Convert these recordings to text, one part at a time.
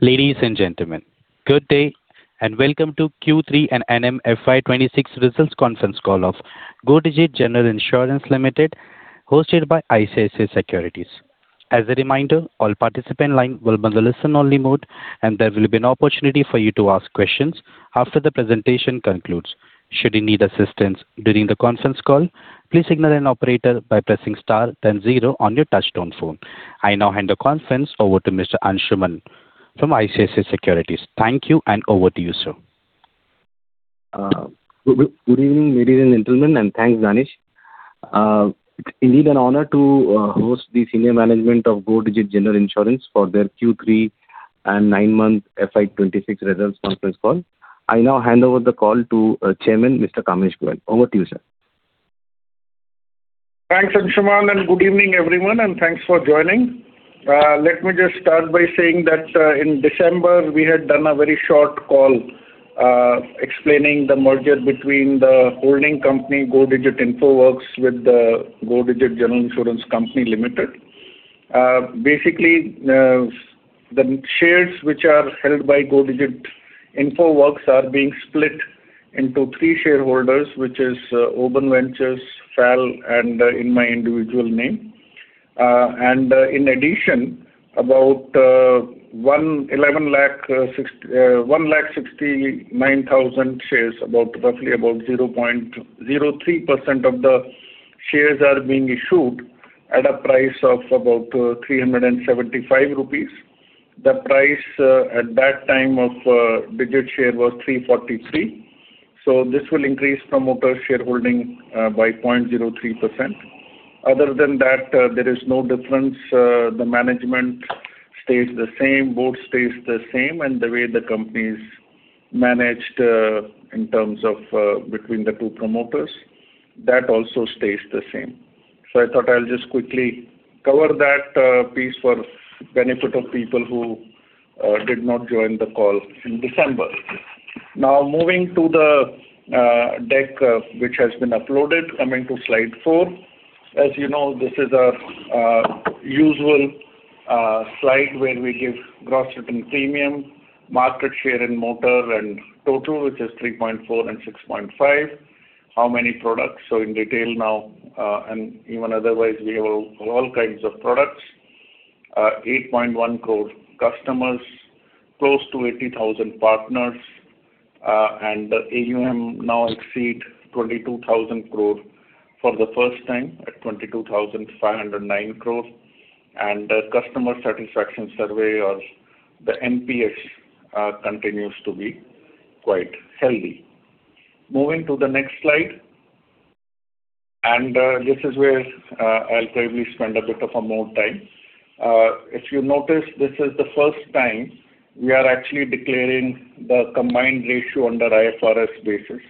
Ladies and gentlemen, good day and welcome to Q3 and 9M FY26 Results Conference Call of Go Digit General Insurance Limited, hosted by ICICI Securities. As a reminder, all participants' lines will be on the listen-only mode, and there will be an opportunity for you to ask questions after the presentation concludes. Should you need assistance during the conference call, please contact the operator by pressing star then zero on your touch-tone phone. I now hand the conference over to Mr. Anshuman from ICICI Securities. Thank you, and over to you, sir. Good evening, ladies and gentlemen, and thanks, Danish. It's indeed an honor to host the senior management of Go Digit General Insurance for their Q3 and nine-month FY 26 Results Conference Call. I now hand over the call to Chairman, Mr. Kamesh Goyal. Over to you, sir. Thanks, Anshuman, and good evening, everyone, and thanks for joining. Let me just start by saying that in December, we had done a very short call explaining the merger between the holding company, Go Digit Infoworks, with the Go Digit General Insurance Limited. Basically, the shares which are held by Go Digit Infoworks are being split into three shareholders, which are Oben Ventures, FAL, and in my individual name. And in addition, about 169,000 shares, roughly about 0.03% of the shares are being issued at a price of about 375 rupees. The price at that time of Digit share was 343. So this will increase promoter shareholding by 0.03%. Other than that, there is no difference. The management stays the same, both stays the same, and the way the company is managed in terms of between the two promoters, that also stays the same. So I thought I'll just quickly cover that piece for the benefit of people who did not join the call in December. Now, moving to the deck which has been uploaded, coming to slide four. As you know, this is our usual slide where we give gross written premium, market share in motor, and total, which is 3.4% and 6.5%, how many products. So in detail now, and even otherwise, we have all kinds of products, 8.1 crore customers, close to 80,000 partners, and the AUM now exceeds 22,000 crore for the first time at 22,509 crore. And the customer satisfaction survey, or the NPS, continues to be quite healthy. Moving to the next slide, and this is where I'll probably spend a bit of more time. If you notice, this is the first time we are actually declaring the combined ratio under IFRS basis.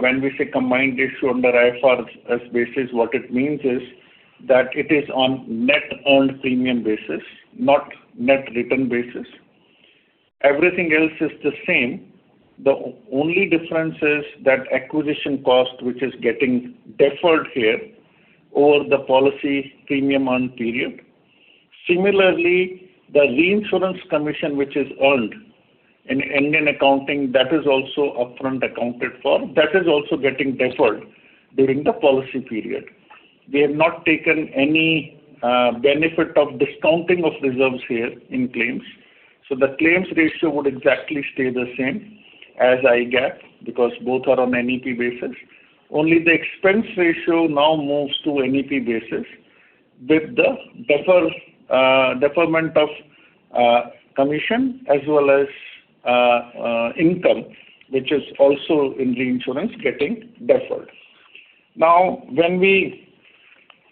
When we say combined ratio under IFRS basis, what it means is that it is on net earned premium basis, not net incurred basis. Everything else is the same. The only difference is that acquisition cost, which is getting deferred here over the policy period. Similarly, the reinsurance commission, which is earned in Indian accounting, that is also accounted for upfront, that is also getting deferred during the policy period. We have not taken any benefit of discounting of reserves here in claims. So the claims ratio would exactly stay the same as IGAAP because both are on NEP basis. Only the expense ratio now moves to NEP basis with the deferment of commission as well as income, which is also in reinsurance getting deferred. Now, when we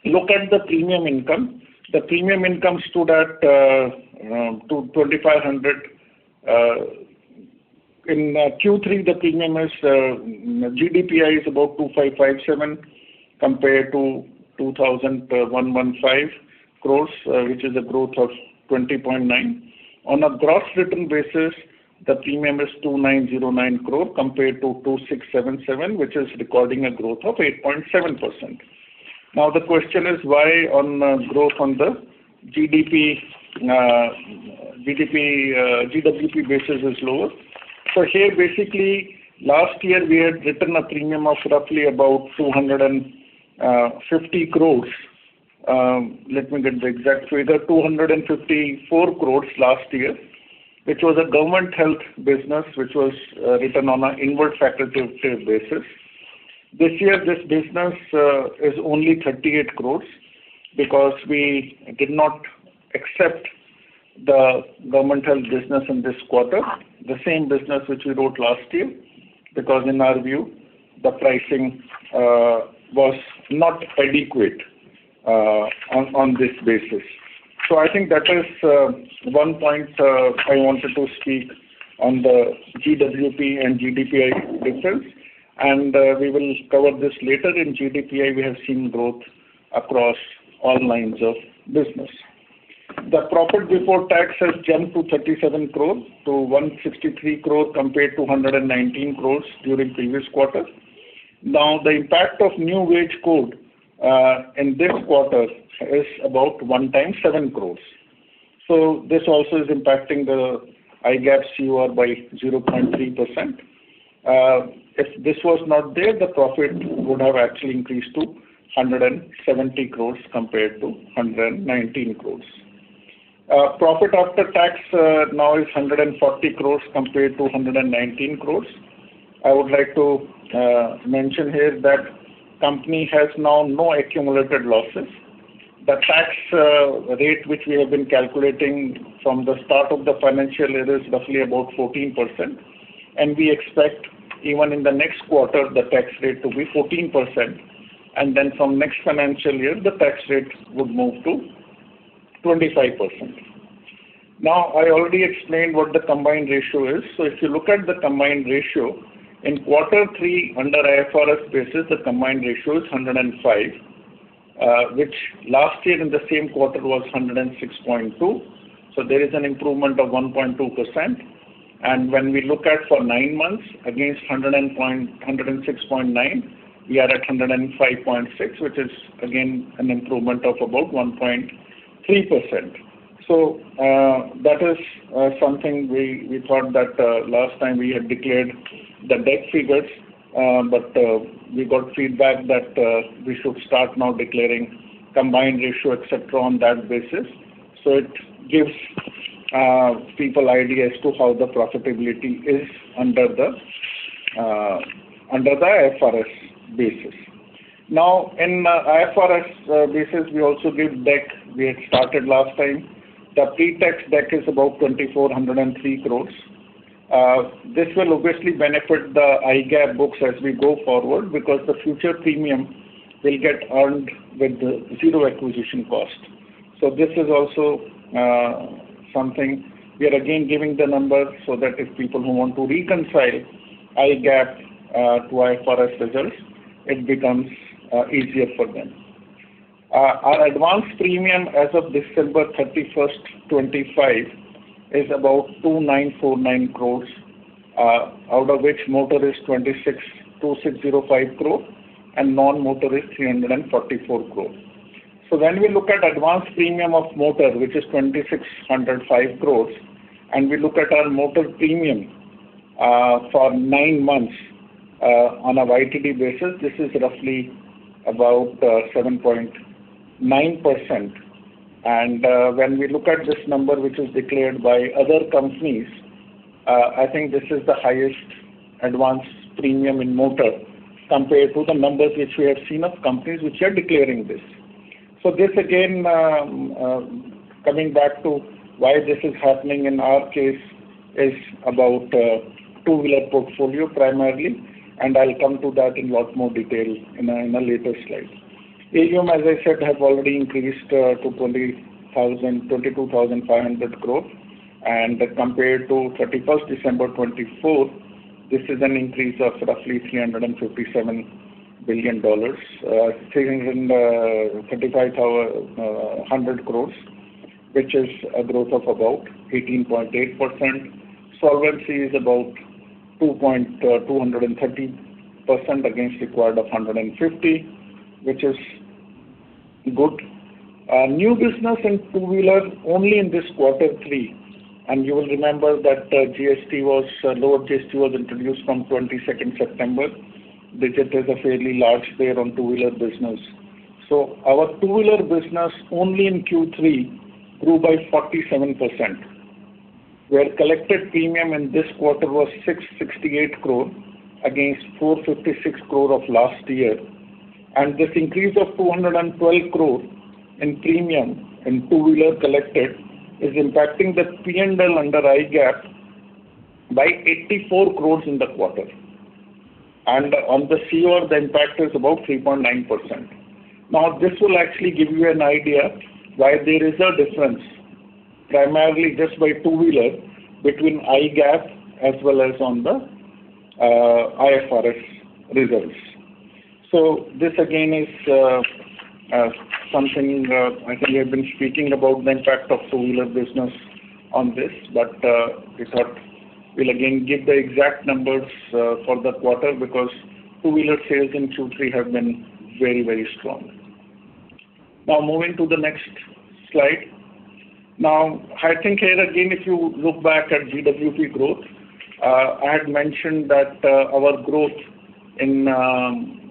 look at the premium income, the premium income stood at 2,500. In Q3, the premium is GDPI is about 2,557 crores compared to 2,115 crores, which is a growth of 20.9%. On a gross written basis, the premium is 2,909 crores compared to 2,677 crores, which is recording a growth of 8.7%. Now, the question is why on growth on the GWP basis is lower. So here, basically, last year, we had written a premium of roughly about 250 crores. Let me get the exact figure, 254 crores last year, which was a government health business, which was written on an inward facultative basis. This year, this business is only 38 crores because we did not accept the government health business in this quarter, the same business which we wrote last year because in our view, the pricing was not adequate on this basis. So I think that is one point I wanted to speak on the GWP and GDPI difference. We will cover this later. In GDPI, we have seen growth across all lines of business. The profit before tax has jumped to 37 crore, to 163 crore compared to 119 crore during previous quarter. Now, the impact of New Wage Code in this quarter is about 17 crores. So this also is impacting the IGAAP COR by 0.3%. If this was not there, the profit would have actually increased to 170 crore compared to 119 crore. Profit after tax now is 140 crore compared to 119 crore. I would like to mention here that the company has now no accumulated losses. The tax rate, which we have been calculating from the start of the financial year, is roughly about 14%. We expect, even in the next quarter, the tax rate to be 14%. And then from next financial year, the tax rate would move to 25%. Now, I already explained what the combined ratio is. So if you look at the combined ratio, in quarter three under IFRS basis, the combined ratio is 105, which last year in the same quarter was 106.2. So there is an improvement of 1.2%. And when we look at for nine months against 106.9, we are at 105.6, which is again an improvement of about 1.3%. So that is something we thought that last time we had declared the DAC figures, but we got feedback that we should start now declaring combined ratio, etc., on that basis. So it gives people idea as to how the profitability is under the IFRS basis. Now, in the IFRS basis, we also give DAC. We had started last time. The pre-tax DAC is about 2,403 crores. This will obviously benefit the IGAAP books as we go forward because the future premium will get earned with zero acquisition cost. So this is also something we are again giving the number so that if people who want to reconcile IGAAP to IFRS results, it becomes easier for them. Our advance premium as of December 31st, 2025 is about 2,949 crores, out of which motor is 2,605 crore and non-motor is 344 crore. So when we look at advance premium of motor, which is 2,605 crores, and we look at our motor premium for nine months on a YTD basis, this is roughly about 7.9%. And when we look at this number, which is declared by other companies, I think this is the highest advance premium in motor compared to the numbers which we have seen of companies which are declaring this. This again, coming back to why this is happening in our case, is about two-wheeler portfolio primarily. I'll come to that in a lot more detail in a later slide. AUM, as I said, have already increased to 22,500 crore. Compared to 31 December 2024, this is an increase of roughly $357 million, INR 3,500 crore, which is a growth of about 18.8%. Solvency is about 230% against required of 150%, which is good. New business in two-wheeler only in this quarter three. You will remember that GST was lower. GST was introduced from 22 September. Digit is a fairly large player on two-wheeler business. Our two-wheeler business only in Q3 grew by 47%, where collected premium in this quarter was 668 crore against 456 crore of last year. This increase of 212 crore in premium in two-wheeler collected is impacting the P&L under IGAAP by 84 crores in the quarter. On the COR, the impact is about 3.9%. This will actually give you an idea why there is a difference primarily just by two-wheeler between IGAAP as well as on the IFRS results. This again is something I think we have been speaking about the impact of two-wheeler business on this, but we thought we'll again give the exact numbers for the quarter because two-wheeler sales in Q3 have been very, very strong. Moving to the next slide. I think here again, if you look back at GWP growth, I had mentioned that our growth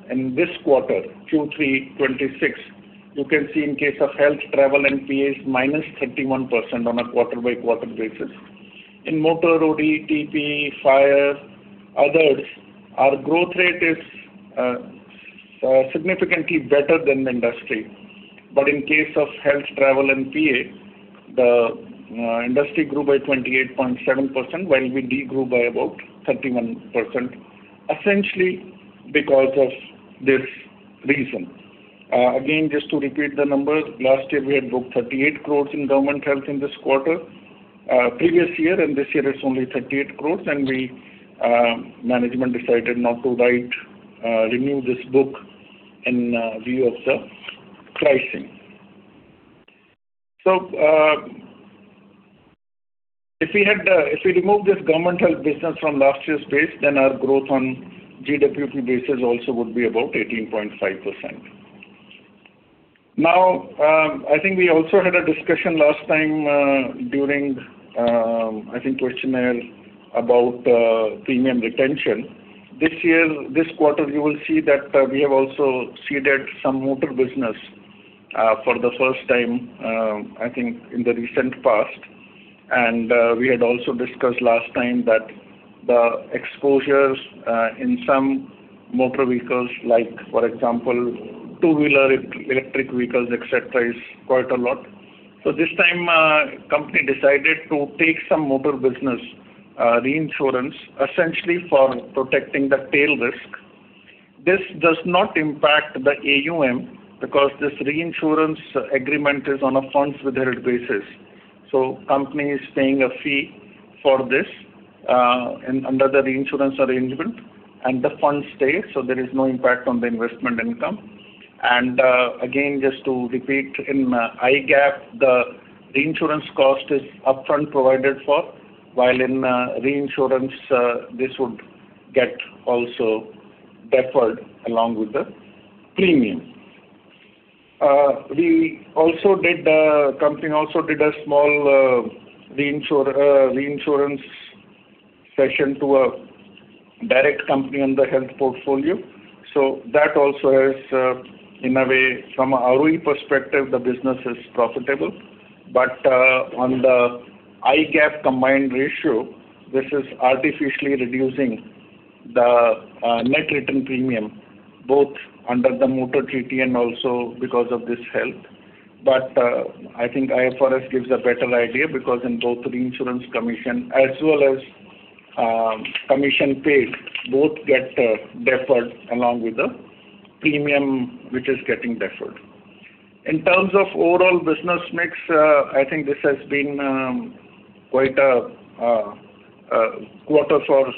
in this quarter, Q3, 26%, you can see in case of health, travel and PA is minus 31% on a quarter-by-quarter basis. In motor, OD, TP, fire, others, our growth rate is significantly better than the industry. But in case of health travel and PA, the industry grew by 28.7%, while we degrew by about 31%, essentially because of this reason. Again, just to repeat the number, last year we had booked 38 crores in government health in this quarter. Previous year and this year is only 38 crores, and we management decided not to write, renew this book in view of the pricing. So if we remove this government health business from last year's base, then our growth on GWP basis also would be about 18.5%. Now, I think we also had a discussion last time during, I think, questionnaire about premium retention. This year, this quarter, you will see that we have also ceded some motor business for the first time, I think, in the recent past. We had also discussed last time that the exposure in some motor vehicles, like for example, two-wheeler electric vehicles, etc., is quite a lot. So this time, company decided to take some motor business reinsurance, essentially for protecting the tail risk. This does not impact the AUM because this reinsurance agreement is on a funds withheld basis. So company is paying a fee for this under the reinsurance arrangement, and the funds stay, so there is no impact on the investment income. And again, just to repeat, in IGAAP, the reinsurance cost is upfront provided for, while in IFRS, this would get also deferred along with the premium. The company also did a small reinsurance cession to a direct company on the health portfolio. So that also has, in a way, from our perspective, the business is profitable. But on the IGAAP combined ratio, this is artificially reducing the net return premium, both under the motor treaty and also because of this health. But I think IFRS gives a better idea because in both reinsurance commission as well as commission paid, both get deferred along with the premium which is getting deferred. In terms of overall business mix, I think this has been quite a quarter for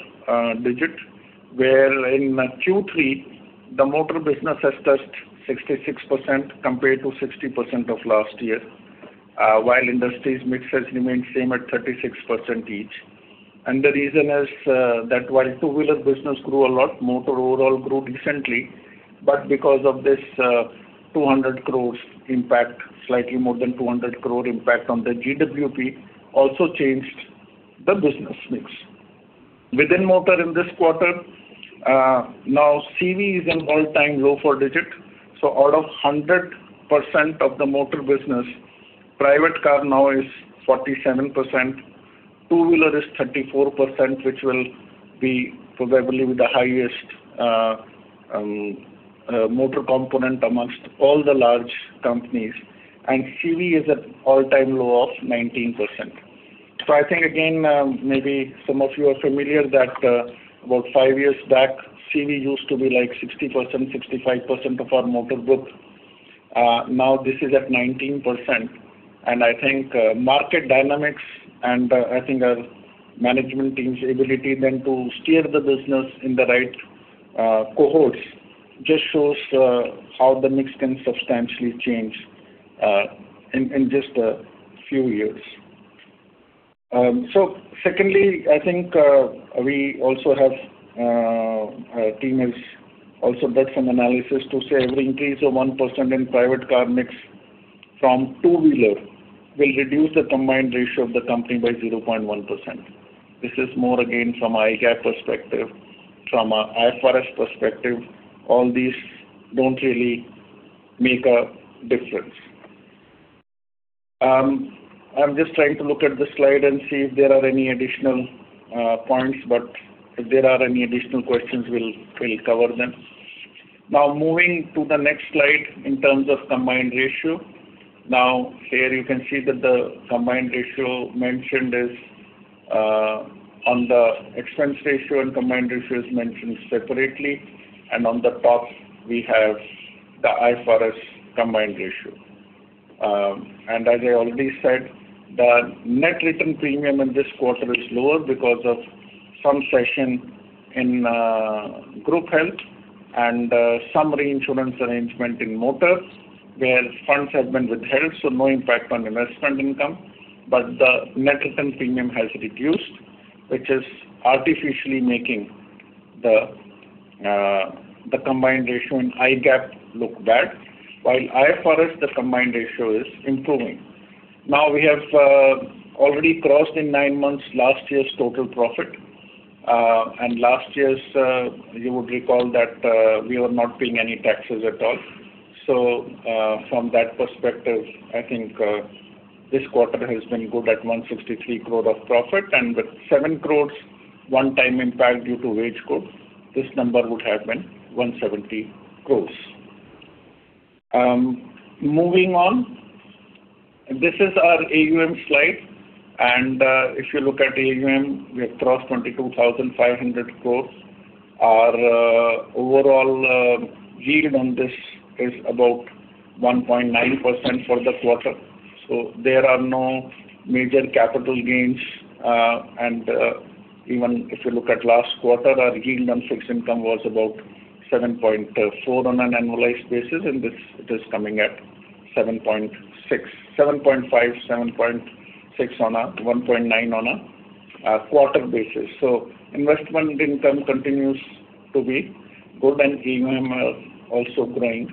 Digit, where in Q3, the motor business has touched 66% compared to 60% of last year, while industry's mix has remained same at 36% each. And the reason is that while two-wheeler business grew a lot, motor overall grew decently, but because of this 200 crore impact, slightly more than 200 crore impact on the GWP also changed the business mix. Within motor in this quarter, now CV is in all-time low for Digit. So out of 100% of the motor business, private car now is 47%, two-wheeler is 34%, which will be probably the highest motor component amongst all the large companies. And CV is at all-time low of 19%. So I think again, maybe some of you are familiar that about five years back, CV used to be like 60%, 65% of our motor book. Now this is at 19%. And I think market dynamics and I think our management team's ability then to steer the business in the right cohorts just shows how the mix can substantially change in just a few years. So secondly, I think we also have a team has also done some analysis to say every increase of 1% in private car mix from two-wheeler will reduce the combined ratio of the company by 0.1%. This is more again from IGAAP perspective. From IFRS perspective, all these don't really make a difference. I'm just trying to look at the slide and see if there are any additional points, but if there are any additional questions, we'll cover them. Now, moving to the next slide in terms of combined ratio. Now, here you can see that the combined ratio mentioned is on the expense ratio and combined ratio is mentioned separately. And on the top, we have the IFRS combined ratio. And as I already said, the net return premium in this quarter is lower because of some cession in group health and some reinsurance arrangement in motor, where funds have been withheld, so no impact on investment income. But the net return premium has reduced, which is artificially making the combined ratio in IGAAP look bad, while IFRS, the combined ratio is improving. Now, we have already crossed in nine months last year's total profit. And last year, you would recall that we were not paying any taxes at all. So from that perspective, I think this quarter has been good at 163 crore of profit. And with 7 crores, one-time impact due to wage growth, this number would have been 170 crores. Moving on, this is our AUM slide. And if you look at AUM, we have crossed 22,500 crore. Our overall yield on this is about 1.9% for the quarter. So there are no major capital gains. And even if you look at last quarter, our yield on fixed income was about 7.4% on an annualized basis, and this is coming at 7.5%-7.6% on a 1.9% on a quarter basis. So investment income continues to be good, and AUM are also growing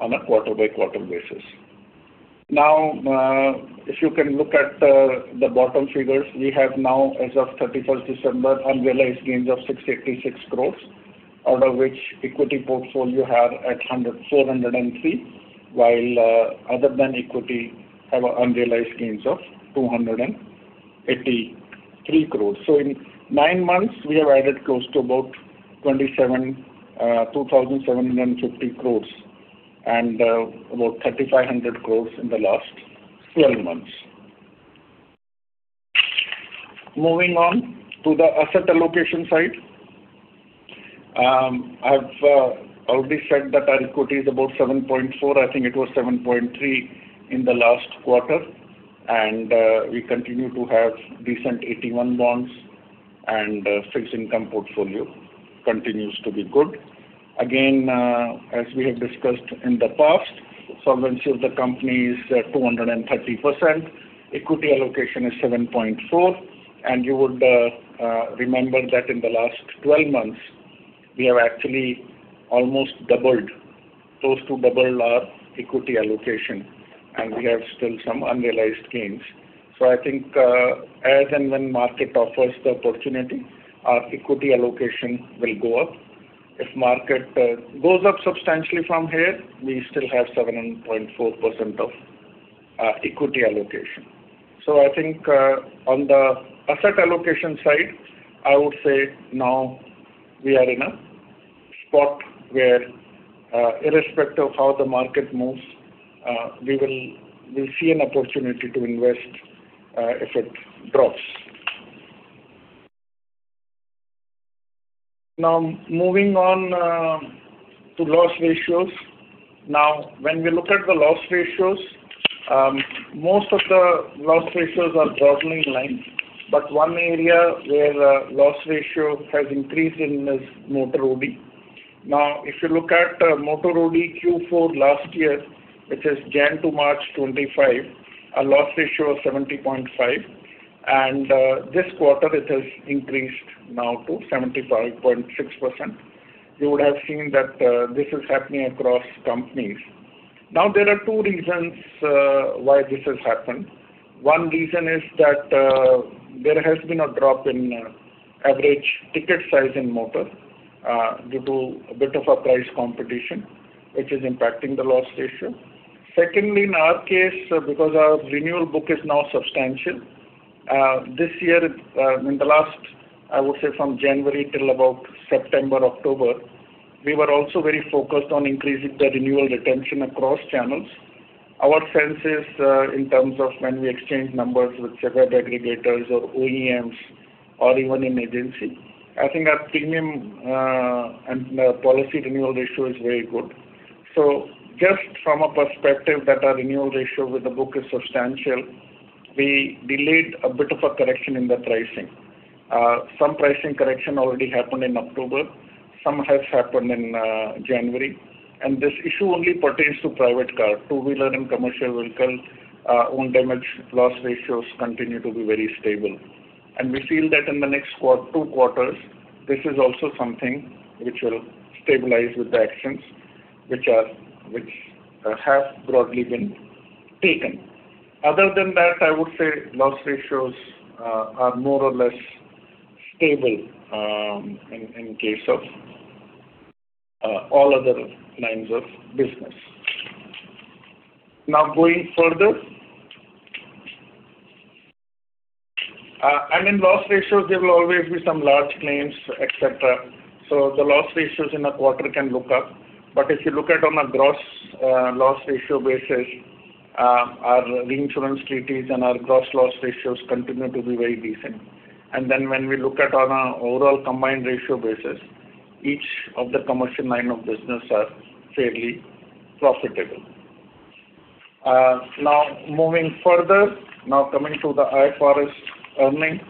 on a quarter-by-quarter basis. Now, if you can look at the bottom figures, we have now, as of 31st December, unrealized gains of 686 crores, out of which equity portfolio are at 403, while other than equity have unrealized gains of 283 crores. So in nine months, we have added close to about 2,750 crores and about 3,500 crores in the last 12 months. Moving on to the asset allocation side, I've already said that our equity is about 7.4%. I think it was 7.3% in the last quarter. And we continue to have decent 8.1% bonds, and fixed income portfolio continues to be good. Again, as we have discussed in the past, solvency of the company is 230%. Equity allocation is 7.4%. And you would remember that in the last 12 months, we have actually almost doubled. Close to double our equity allocation. And we have still some unrealized gains. I think as and when market offers the opportunity, our equity allocation will go up. If market goes up substantially from here, we still have 7.4% of equity allocation. So I think on the asset allocation side, I would say now we are in a spot where, irrespective of how the market moves, we will see an opportunity to invest if it drops. Now, moving on to loss ratios. Now, when we look at the loss ratios, most of the loss ratios are broadly in line. But one area where loss ratio has increased in is motor OD. Now, if you look at motor OD Q4 last year, which is January to March 2025, our loss ratio was 70.5%. And this quarter, it has increased now to 75.6%. You would have seen that this is happening across companies. Now, there are two reasons why this has happened. One reason is that there has been a drop in average ticket size in motor due to a bit of a price competition, which is impacting the loss ratio. Secondly, in our case, because our renewal book is now substantial, this year, in the last, I would say from January till about September, October, we were also very focused on increasing the renewal retention across channels. Our sense is in terms of when we exchange numbers with certain aggregators or OEMs or even in agency, I think our premium and policy renewal ratio is very good. So just from a perspective that our renewal ratio with the book is substantial, we delayed a bit of a correction in the pricing. Some pricing correction already happened in October. Some has happened in January. And this issue only pertains to private car, two-wheeler and commercial vehicle own damage loss ratios, continue to be very stable. And we feel that in the next two quarters, this is also something which will stabilize with the actions which have broadly been taken. Other than that, I would say loss ratios are more or less stable in case of all other lines of business. Now, going further, and in loss ratios, there will always be some large claims, etc. So the loss ratios in a quarter can look up. But if you look at on a gross loss ratio basis, our reinsurance treaties and our gross loss ratios continue to be very decent. And then when we look at on an overall combined ratio basis, each of the commercial line of business are fairly profitable. Now, moving further, now coming to the IFRS earnings.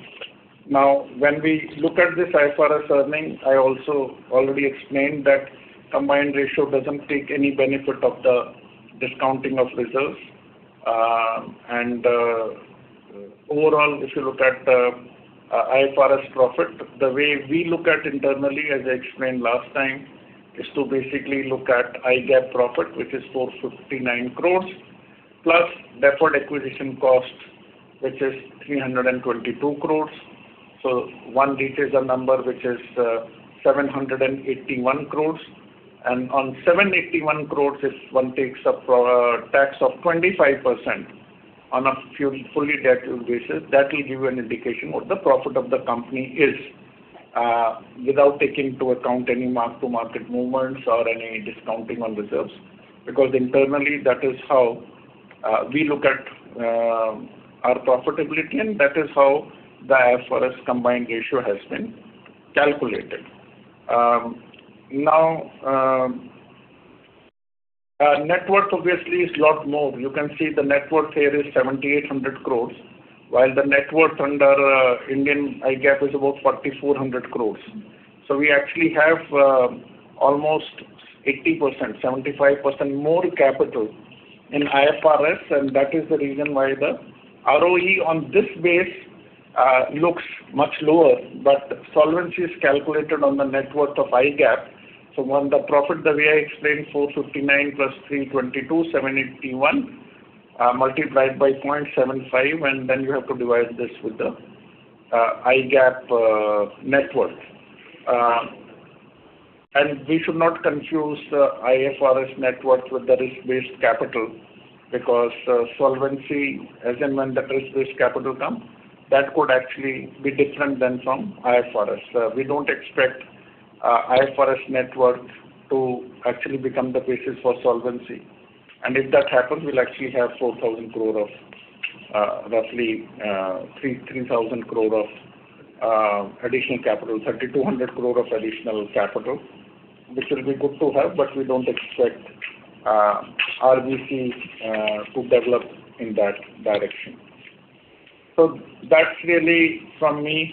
Now, when we look at this IFRS earnings, I also already explained that combined ratio doesn't take any benefit of the discounting of reserves. And overall, if you look at the IFRS profit, the way we look at internally, as I explained last time, is to basically look at IGAAP profit, which is 459 crores, plus deferred acquisition cost, which is 322 crores. So one details a number, which is 781 crores. And on 781 crores, if one takes a tax of 25% on a fully taxed basis, that will give you an indication of the profit of the company is without taking into account any mark-to-market movements or any discounting on reserves. Because internally, that is how we look at our profitability, and that is how the IFRS combined ratio has been calculated. Now, net worth obviously is a lot more. You can see the net worth here is 7,800 crores, while the net worth under Indian GAAP is about 4,400 crores. So we actually have almost 80%, 75% more capital in IFRS. And that is the reason why the ROE on this base looks much lower. But solvency is calculated on the net worth of GAAP. So when the profit, the way I explained, 459 + 322, 781 x 0.75, and then you have to divide this with the GAAP net worth. And we should not confuse the IFRS net worth with the risk-based capital because solvency, as in when the risk-based capital comes, that could actually be different than from IFRS. We don't expect IFRS net worth to actually become the basis for solvency. And if that happens, we'll actually have 4,000 crore of roughly 3,000 crore of additional capital, 3,200 crore of additional capital, which will be good to have, but we don't expect RBC to develop in that direction. So that's really from me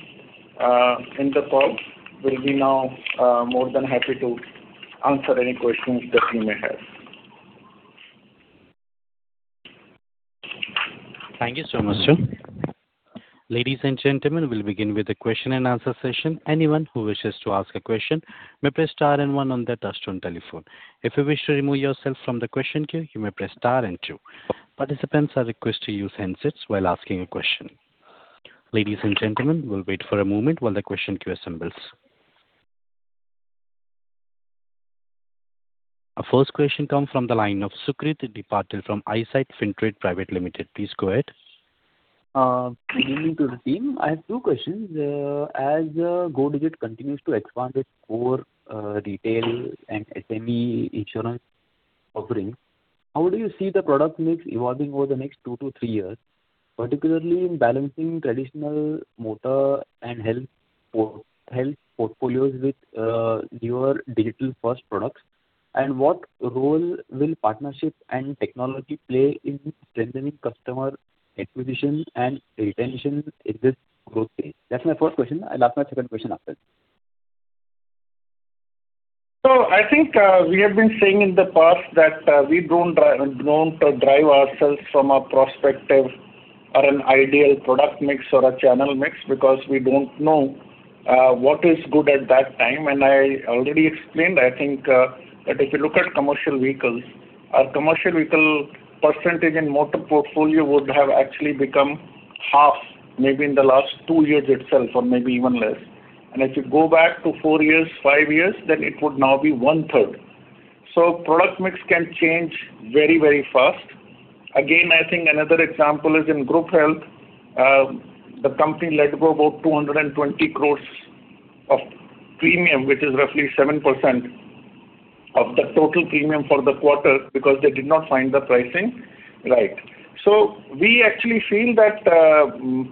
in the call. We'll be now more than happy to answer any questions that you may have. Thank you so much, sir. Ladies and gentlemen, we'll begin with the question and answer session. Anyone who wishes to ask a question may press star and one on their touch-tone telephone. If you wish to remove yourself from the question queue, you may press star and two. Participants are requested to use handsets while asking a question. Ladies and gentlemen, we'll wait for a moment while the question queue assembles. Our first question comes from the line of Sukrit Patil from Eyesight Fintrade Private Limited. Please go ahead. Good evening to the team. I have two questions. As Go Digit continues to expand its core retail and SME insurance offerings, how do you see the product mix evolving over the next two to three years, particularly in balancing traditional motor and health portfolios with newer digital-first products? And what role will partnership and technology play in strengthening customer acquisition and retention in this growth phase? That's my first question. I'll ask my second question after. So I think we have been saying in the past that we don't drive ourselves from a prospective or an ideal product mix or a channel mix because we don't know what is good at that time. And I already explained, I think, that if you look at commercial vehicles, our commercial vehicle percentage in motor portfolio would have actually become half maybe in the last two years itself or maybe even less. If you go back to four years, five years, then it would now be 1/3. So product mix can change very, very fast. Again, I think another example is in group health. The company let go about 220 crores of premium, which is roughly 7% of the total premium for the quarter because they did not find the pricing right. So we actually feel that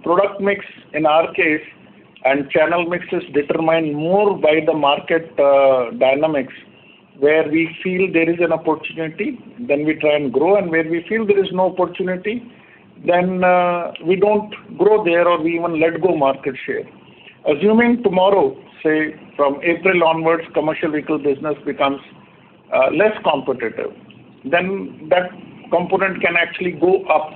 product mix in our case and channel mixes determine more by the market dynamics, where we feel there is an opportunity, then we try and grow. And where we feel there is no opportunity, then we don't grow there or we even let go market share. Assuming tomorrow, say, from April onwards, commercial vehicle business becomes less competitive, then that component can actually go up.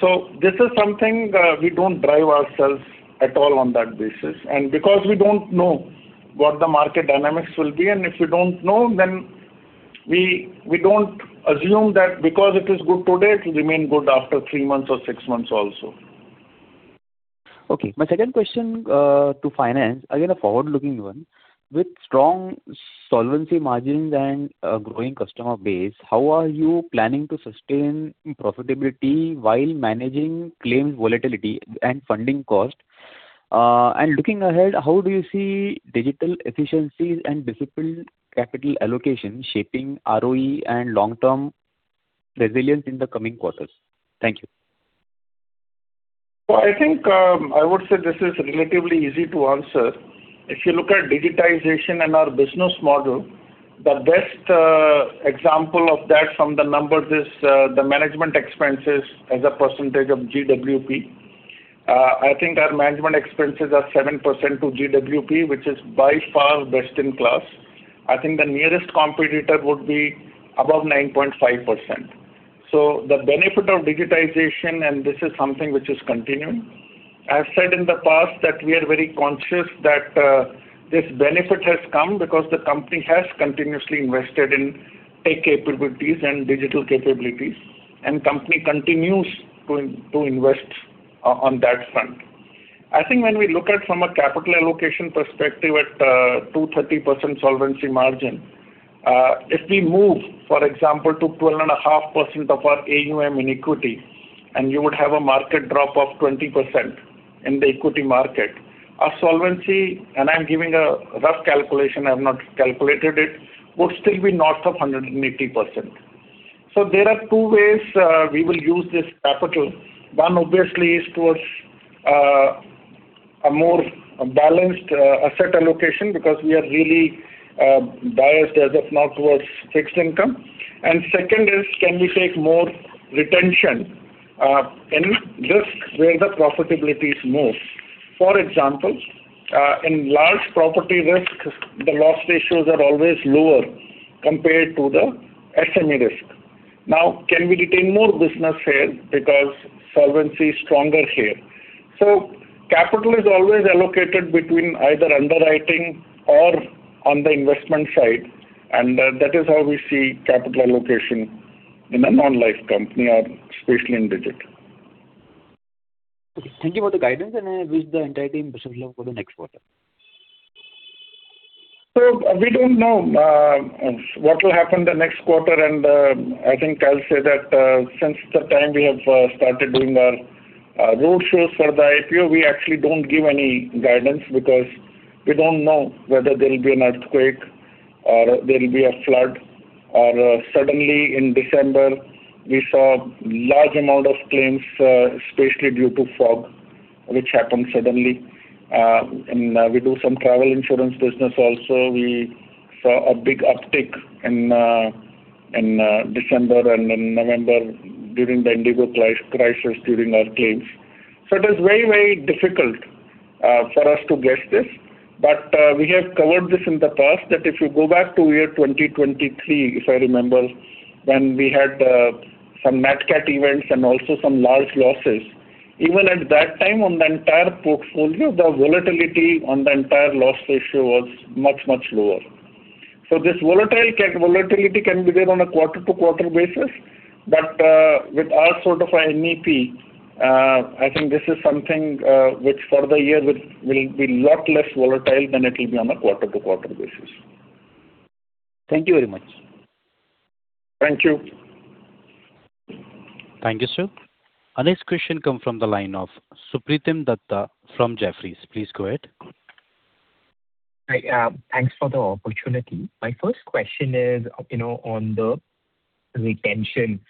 So this is something we don't drive ourselves at all on that basis. Because we don't know what the market dynamics will be, and if we don't know, then we don't assume that because it is good today, it will remain good after three months or six months also. Okay. My second question to finance, again, a forward-looking one. With strong solvency margins and a growing customer base, how are you planning to sustain profitability while managing claims volatility and funding cost? And looking ahead, how do you see digital efficiencies and disciplined capital allocation shaping ROE and long-term resilience in the coming quarters? Thank you. Well, I think I would say this is relatively easy to answer. If you look at digitization and our business model, the best example of that from the numbers is the management expenses as a percentage of GWP. I think our management expenses are 7% to GWP, which is by far best in class. I think the nearest competitor would be above 9.5%. So the benefit of digitization, and this is something which is continuing. I've said in the past that we are very conscious that this benefit has come because the company has continuously invested in tech capabilities and digital capabilities, and the company continues to invest on that front. I think when we look at from a capital allocation perspective at 230% solvency margin, if we move, for example, to 12.5% of our AUM in equity, and you would have a market drop of 20% in the equity market, our solvency, and I'm giving a rough calculation. I have not calculated it, would still be north of 180%. So there are two ways we will use this capital. One, obviously, is towards a more balanced asset allocation because we are really biased, as of now, towards fixed income. And second is, can we take more retention in risk where the profitability is more? For example, in large property risk, the loss ratios are always lower compared to the SME risk. Now, can we retain more business here because solvency is stronger here? So capital is always allocated between either underwriting or on the investment side. And that is how we see capital allocation in a non-life company or especially in Digit. Okay. Thank you for the guidance, and I wish the entire team best of luck for the next quarter. So we don't know what will happen the next quarter. And I think I'll say that since the time we have started doing our roadshows for the IPO, we actually don't give any guidance because we don't know whether there will be an earthquake or there will be a flood. Or suddenly, in December, we saw a large amount of claims, especially due to fog, which happened suddenly. And we do some travel insurance business also. We saw a big uptick in December and in November during the IndiGo crisis during our claims. So it is very, very difficult for us to guess this. But we have covered this in the past that if you go back to year 2023, if I remember, when we had some NatCat events and also some large losses, even at that time, on the entire portfolio, the volatility on the entire loss ratio was much, much lower. So this volatility can be there on a quarter-to-quarter basis. But with our sort of NEP, I think this is something which for the year will be a lot less volatile than it will be on a quarter-to-quarter basis. Thank you very much. Thank you. Thank you, sir. Our next question comes from the line of Supratim Datta from Jefferies. Please go ahead. Hi. Thanks for the opportunity. My first question is on the retention.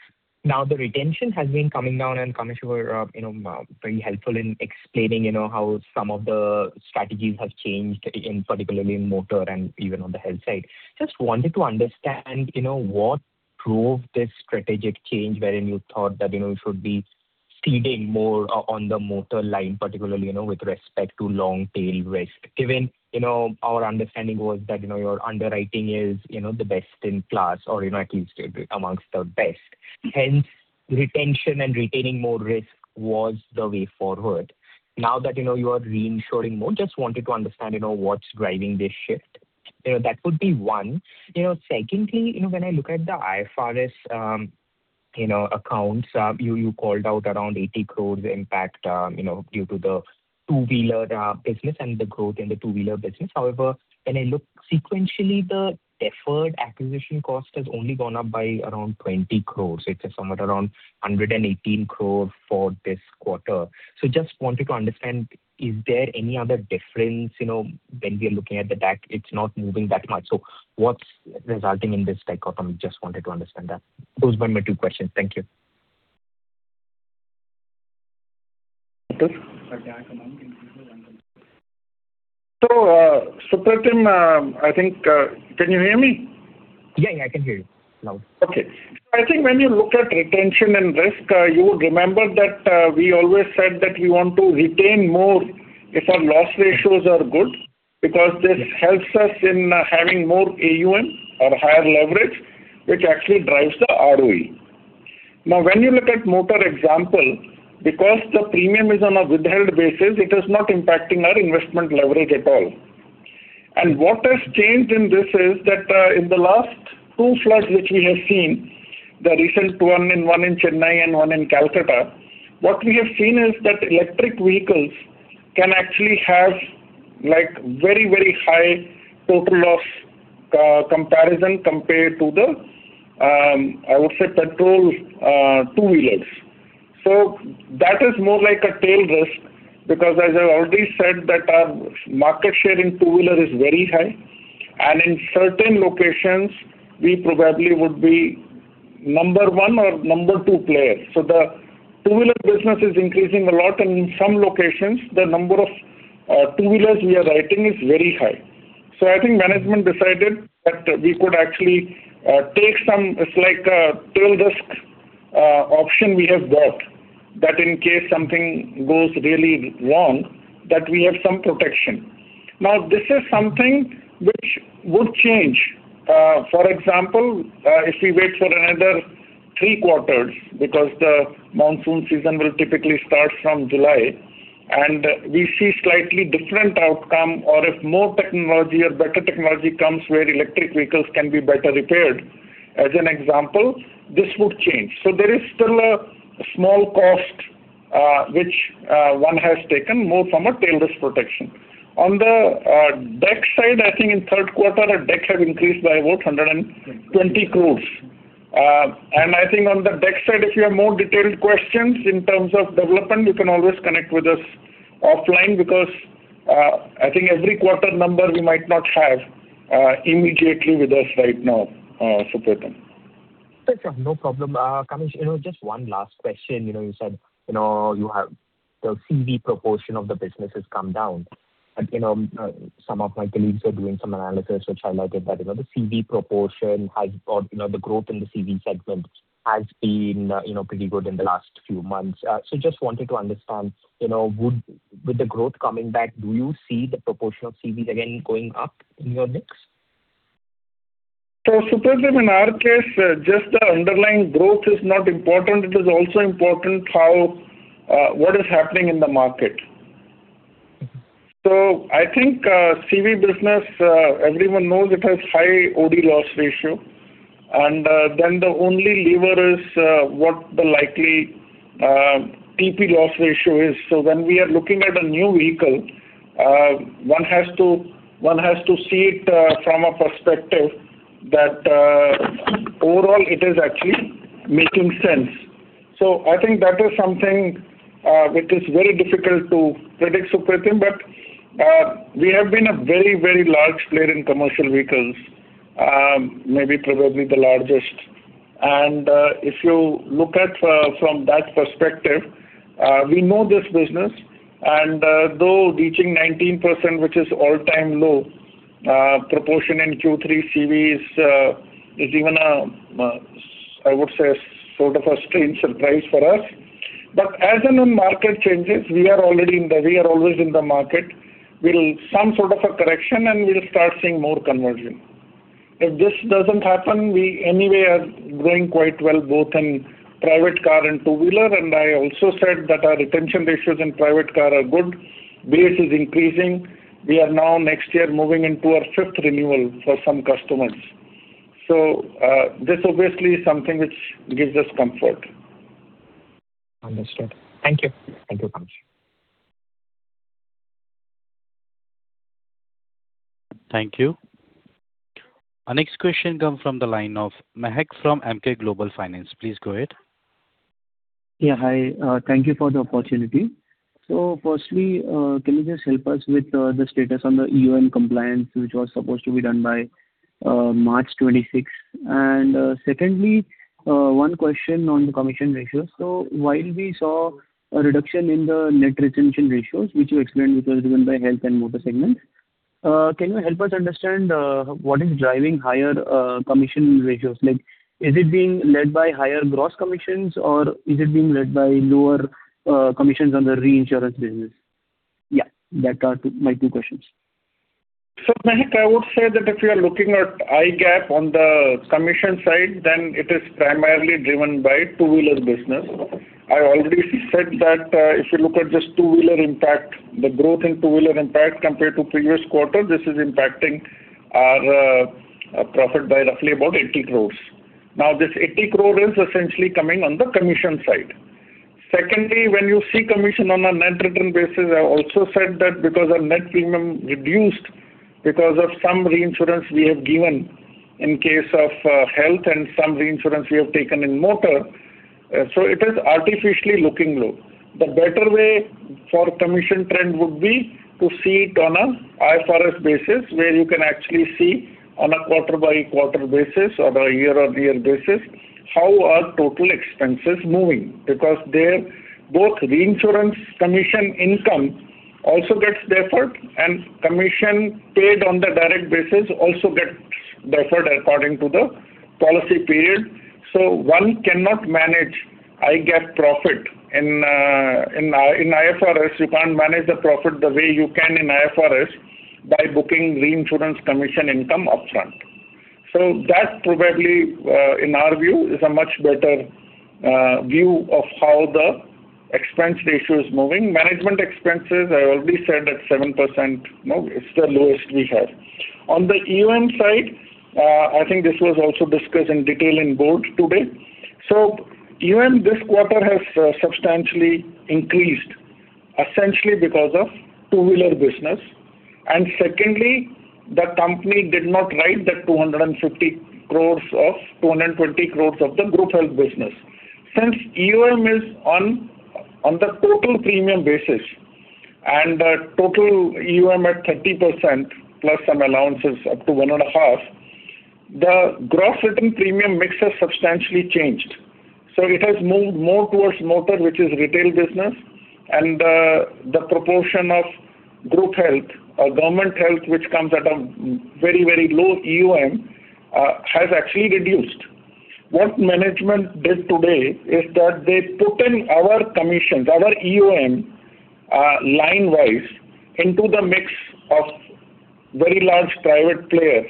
Now, the retention has been coming down, and commercial were very helpful in explaining how some of the strategies have changed, particularly in motor and even on the health side. Just wanted to understand what drove this strategic change wherein you thought that you should be ceding more on the motor line, particularly with respect to long-tail risk, given our understanding was that your underwriting is the best in class or at least among the best. Hence, retention and retaining more risk was the way forward. Now that you are reinsuring more, just wanted to understand what's driving this shift. That would be one. Secondly, when I look at the IFRS accounts, you called out around 80 crores impact due to the two-wheeler business and the growth in the two-wheeler business. However, when I look sequentially, the deferred acquisition cost has only gone up by around 20 crores. It's somewhere around 118 crore for this quarter. So just wanted to understand, is there any other difference when we are looking at the DAC? It's not moving that much. So what's resulting in this DAC? Just wanted to understand that. Those were my two questions. Thank you. So Supratim, I think can you hear me? Yeah, yeah. I can hear you loud. Okay. So I think when you look at retention and risk, you would remember that we always said that we want to retain more if our loss ratios are good because this helps us in having more AUM or higher leverage, which actually drives the ROE. Now, when you look at motor example, because the premium is on a withheld basis, it is not impacting our investment leverage at all. And what has changed in this is that in the last two floods which we have seen, the recent one in Chennai and one in Calcutta, what we have seen is that electric vehicles can actually have very, very high total loss comparison compared to the, I would say, petrol two-wheelers. So that is more like a tail risk because, as I already said, that our market share in two-wheeler is very high. In certain locations, we probably would be number one or number two player. So the two-wheeler business is increasing a lot. And in some locations, the number of two-wheelers we are writing is very high. So I think management decided that we could actually take some tail risk option we have bought that in case something goes really wrong, that we have some protection. Now, this is something which would change. For example, if we wait for another three quarters because the monsoon season will typically start from July, and we see slightly different outcome, or if more technology or better technology comes where electric vehicles can be better repaired, as an example, this would change. So there is still a small cost which one has taken more from a tail risk protection. On the DAC side, I think in third quarter, DAC have increased by about 120 crores. And I think on the DAC side, if you have more detailed questions in terms of development, you can always connect with us offline because I think every quarter number we might not have immediately with us right now, Supratim. That's fine. No problem. Just one last question. You said the CV proportion of the business has come down. Some of my colleagues are doing some analysis, which highlighted that the CV proportion or the growth in the CV segment has been pretty good in the last few months. So just wanted to understand, with the growth coming back, do you see the proportion of CVs again going up in your mix? So Supratim, in our case, just the underlying growth is not important. It is also important what is happening in the market. So I think CV business, everyone knows it has high OD loss ratio. Then the only lever is what the likely TP loss ratio is. When we are looking at a new vehicle, one has to see it from a perspective that overall it is actually making sense. I think that is something which is very difficult to predict, Supratim. We have been a very, very large player in commercial vehicles, maybe probably the largest. If you look at from that perspective, we know this business. Though reaching 19%, which is all-time low proportion in Q3 CVs, is even, I would say, sort of a strange surprise for us. As the market changes, we are already in the market. We are always in the market. We will see some sort of a correction, and we will start seeing more conversion. If this does not happen, we anyway are growing quite well both in private car and two-wheeler. I also said that our retention ratios in private car are good. Base is increasing. We are now next year moving into our fifth renewal for some customers. So this obviously is something which gives us comfort. Understood. Thank you. Thank you very much. Thank you. Our next question comes from the line of Mahek from Emkay Global Financial Services. Please go ahead. Yeah. Hi. Thank you for the opportunity. So firstly, can you just help us with the status on the EoM compliance, which was supposed to be done by March 26? And secondly, one question on the commission ratios. So while we saw a reduction in the net retention ratios, which you explained, which was driven by health and motor segments, can you help us understand what is driving higher commission ratios? Is it being led by higher gross commissions, or is it being led by lower commissions on the reinsurance business? Yeah. That are my two questions. So Mahek, I would say that if you are looking at IGAAP on the commission side, then it is primarily driven by two-wheeler business. I already said that if you look at just two-wheeler impact, the growth in two-wheeler impact compared to previous quarter, this is impacting our profit by roughly about 80 crores. Now, this 80 crore is essentially coming on the commission side. Secondly, when you see commission on a net return basis, I also said that because our net premium reduced because of some reinsurance we have given in case of health and some reinsurance we have taken in motor. So it is artificially looking low. The better way for commission trend would be to see it on a IFRS basis where you can actually see on a quarter-by-quarter basis or a year-on-year basis how our total expenses are moving because both reinsurance commission income also gets deferred, and commission paid on the direct basis also gets deferred according to the policy period. So one cannot manage IGAAP profit in IFRS. You can't manage the profit the way you can in IFRS by booking reinsurance commission income upfront. So that probably, in our view, is a much better view of how the expense ratio is moving. Management expenses, I already said at 7%, it's the lowest we have. On the EoM side, I think this was also discussed in detail in Board today. So EoM this quarter has substantially increased essentially because of two-wheeler business. And secondly, the company did not write the 250 crores or 220 crores of the group health business. Since EoM is on the total premium basis and total EoM at 30% plus some allowances up to 1.5%, the gross written premium mix has substantially changed. So it has moved more towards motor, which is retail business. And the proportion of group health or government health, which comes at a very, very low EoM, has actually reduced. What management did today is that they put in our commissions, our EoM line-wise into the mix of very large private player.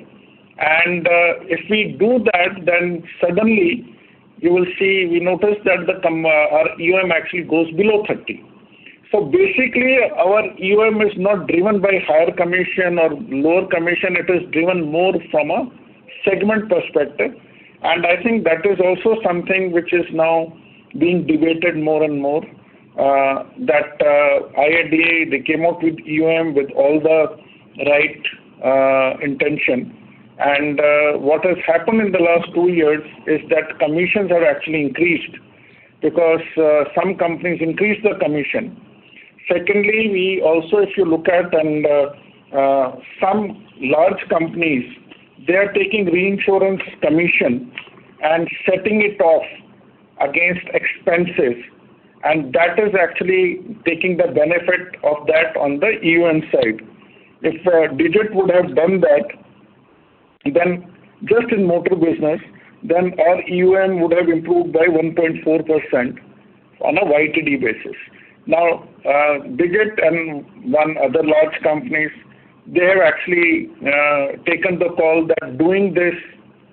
And if we do that, then suddenly you will see we notice that our EoM actually goes below 30%. So basically, our EoM is not driven by higher commission or lower commission. It is driven more from a segment perspective. I think that is also something which is now being debated more and more that IRDAI, they came out with EoM with all the right intention. What has happened in the last two years is that commissions have actually increased because some companies increased the commission. Secondly, we also, if you look at some large companies, they are taking reinsurance commission and setting it off against expenses. That is actually taking the benefit of that on the EoM side. If Digit would have done that, then just in motor business, then our EoM would have improved by 1.4% on a YTD basis. Now, Digit and one other large companies, they have actually taken the call that doing this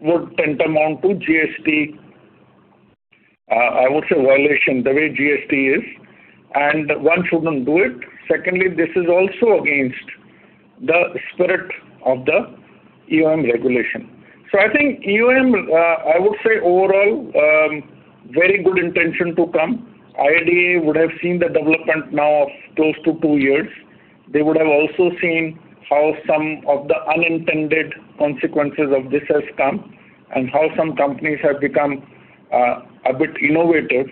would tend to amount to GST, I would say violation, the way GST is. One shouldn't do it. Secondly, this is also against the spirit of the EoM regulation. So I think EoM, I would say overall, very good intention to come. IRDAI would have seen the development now of close to two years. They would have also seen how some of the unintended consequences of this have come and how some companies have become a bit innovative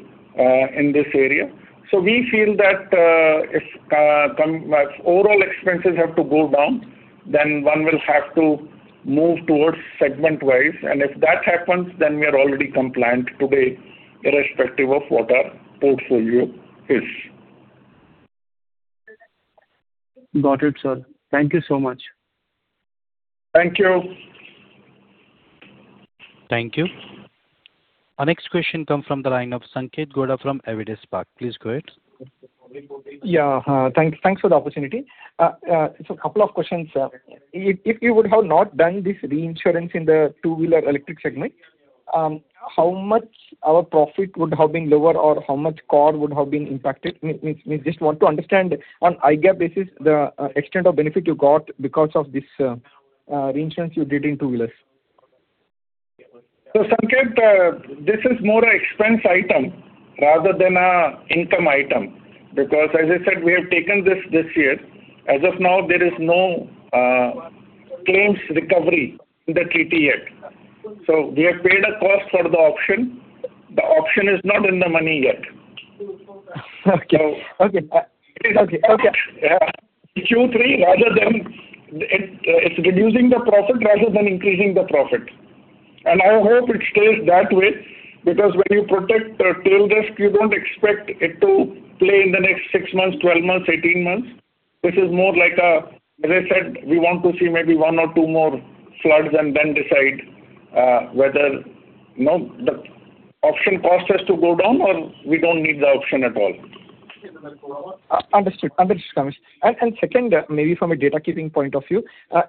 in this area. So we feel that if overall expenses have to go down, then one will have to move towards segment-wise. And if that happens, then we are already compliant today irrespective of what our portfolio is. Got it, sir. Thank you so much. Thank you. Thank you. Our next question comes from the line of Sanketh Godha from Avendus Spark. Please go ahead. Yeah. Thanks for the opportunity. So a couple of questions. If you would have not done this reinsurance in the two-wheeler electric segment, how much our profit would have been lower or how much cash would have been impacted? We just want to understand on IGAAP basis the extent of benefit you got because of this reinsurance you did in two-wheelers. So Sanketh, this is more an expense item rather than an income item because, as I said, we have taken this year. As of now, there is no claims recovery in the treaty yet. So we have paid a cost for the option. The option is not in the money yet. Okay. Okay. Okay. Yeah, it's reducing the profit rather than increasing the profit. And I hope it stays that way because when you protect tail risk, you don't expect it to play in the next six months, 12 months, 18 months. This is more like a, as I said, we want to see maybe one or two more floods and then decide whether the option cost has to go down or we don't need the option at all. Understood. Understood, Kamesh. And second, maybe from a data-keeping point of view,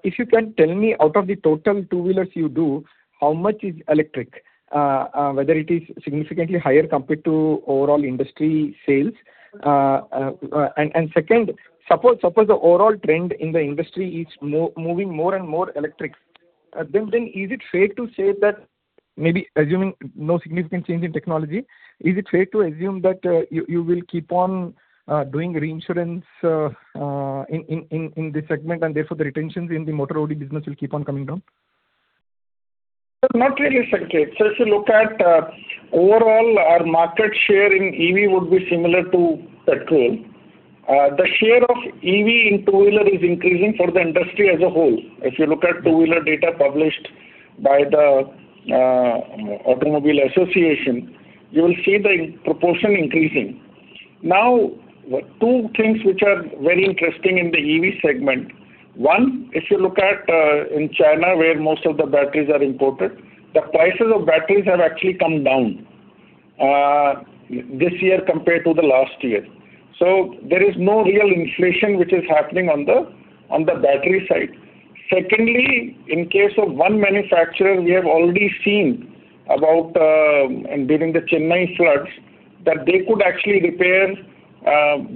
if you can tell me out of the total two-wheelers you do, how much is electric, whether it is significantly higher compared to overall industry sales? And second, suppose the overall trend in the industry is moving more and more electric, then is it fair to say that maybe assuming no significant change in technology, is it fair to assume that you will keep on doing reinsurance in this segment and therefore the retentions in the motor OD business will keep on coming down? Not really, Sanketh. If you look at overall, our market share in EV would be similar to petrol. The share of EV in two-wheeler is increasing for the industry as a whole. If you look at two-wheeler data published by the Automobile Association, you will see the proportion increasing. Now, two things which are very interesting in the EV segment. One, if you look at in China where most of the batteries are imported, the prices of batteries have actually come down this year compared to the last year. So there is no real inflation which is happening on the battery side. Secondly, in case of one manufacturer, we have already seen during the Chennai floods that they could actually repair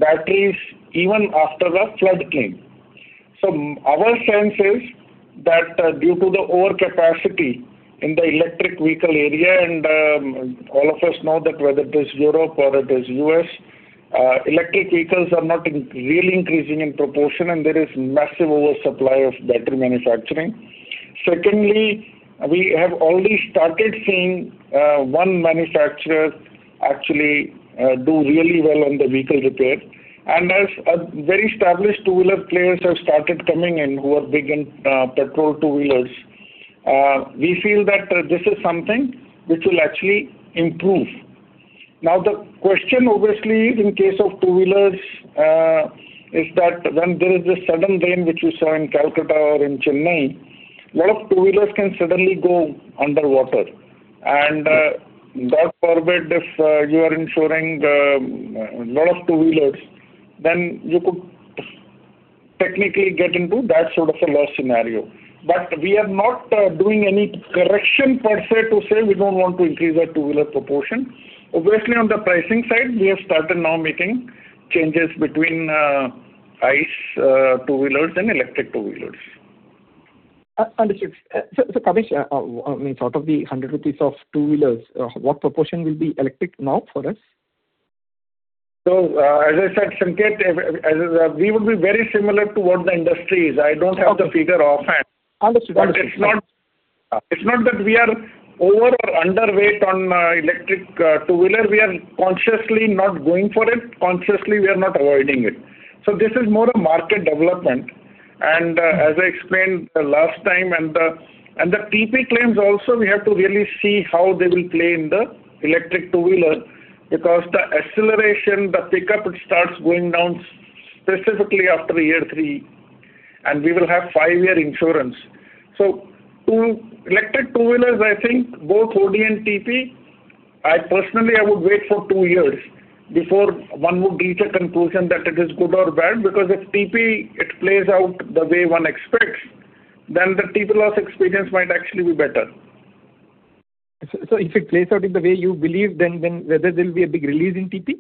batteries even after the flood came. Our sense is that due to the overcapacity in the electric vehicle area, and all of us know that whether it is Europe or it is U.S., electric vehicles are not really increasing in proportion, and there is massive oversupply of battery manufacturing. Secondly, we have already started seeing one manufacturer actually do really well on the vehicle repair. And as very established two-wheeler players have started coming in who are big in petrol two-wheeler, we feel that this is something which will actually improve. Now, the question obviously in case of two-wheelers is that when there is this sudden rain which we saw in Calcutta or in Chennai, a lot of two-wheelers can suddenly go underwater. And God forbid if you are insuring a lot of two-wheelers, then you could technically get into that sort of a loss scenario. But we are not doing any correction per se to say we don't want to increase our two-wheeler proportion. Obviously, on the pricing side, we have started now making changes between ICE two-wheelers and electric two-wheelers. Understood. So Kamesh, I mean, out of the 100 rupees of two-wheelers, what proportion will be electric now for us? So as I said, Sanketh, we would be very similar to what the industry is. I don't have the figure offhand. Understood. Understood. It's not that we are over or underweight on electric two-wheeler. We are consciously not going for it. Consciously, we are not avoiding it. So this is more a market development. As I explained last time, the TP claims also, we have to really see how they will play in the electric two-wheeler because the acceleration, the pickup, it starts going down specifically after year three, and we will have five-year insurance. Electric two-wheelers, I think both OD and TP, I personally, I would wait for two years before one would reach a conclusion that it is good or bad because if TP plays out the way one expects, then the TP loss experience might actually be better. If it plays out in the way you believe, then whether there will be a big release in TP?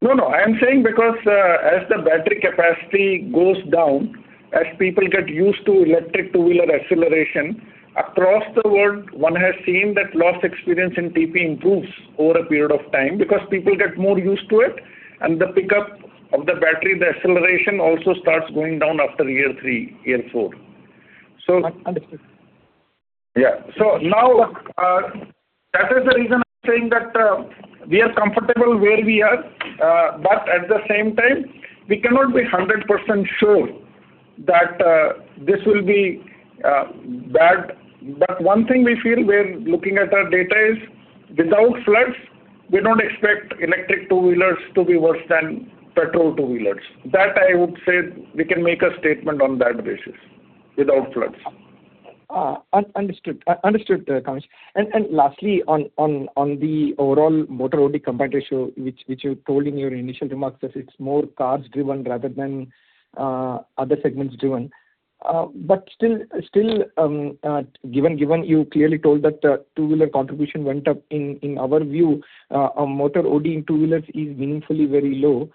No, no. I am saying because as the battery capacity goes down, as people get used to electric two-wheeler acceleration, across the world, one has seen that loss experience in TP improves over a period of time because people get more used to it, and the pickup of the battery, the acceleration also starts going down after year three, year four. So now that is the reason I'm saying that we are comfortable where we are, but at the same time, we cannot be 100% sure that this will be bad. But one thing we feel when looking at our data is without floods, we don't expect electric two-wheelers to be worse than petrol two-wheelers. That I would say we can make a statement on that basis without floods. Understood. Understood, Kamesh. Lastly, on the overall motor OD combined ratio, which you told in your initial remarks that it's more cars-driven rather than other segments driven, but still, given you clearly told that the two-wheeler contribution went up, in our view, motor OD in two-wheelers is meaningfully very low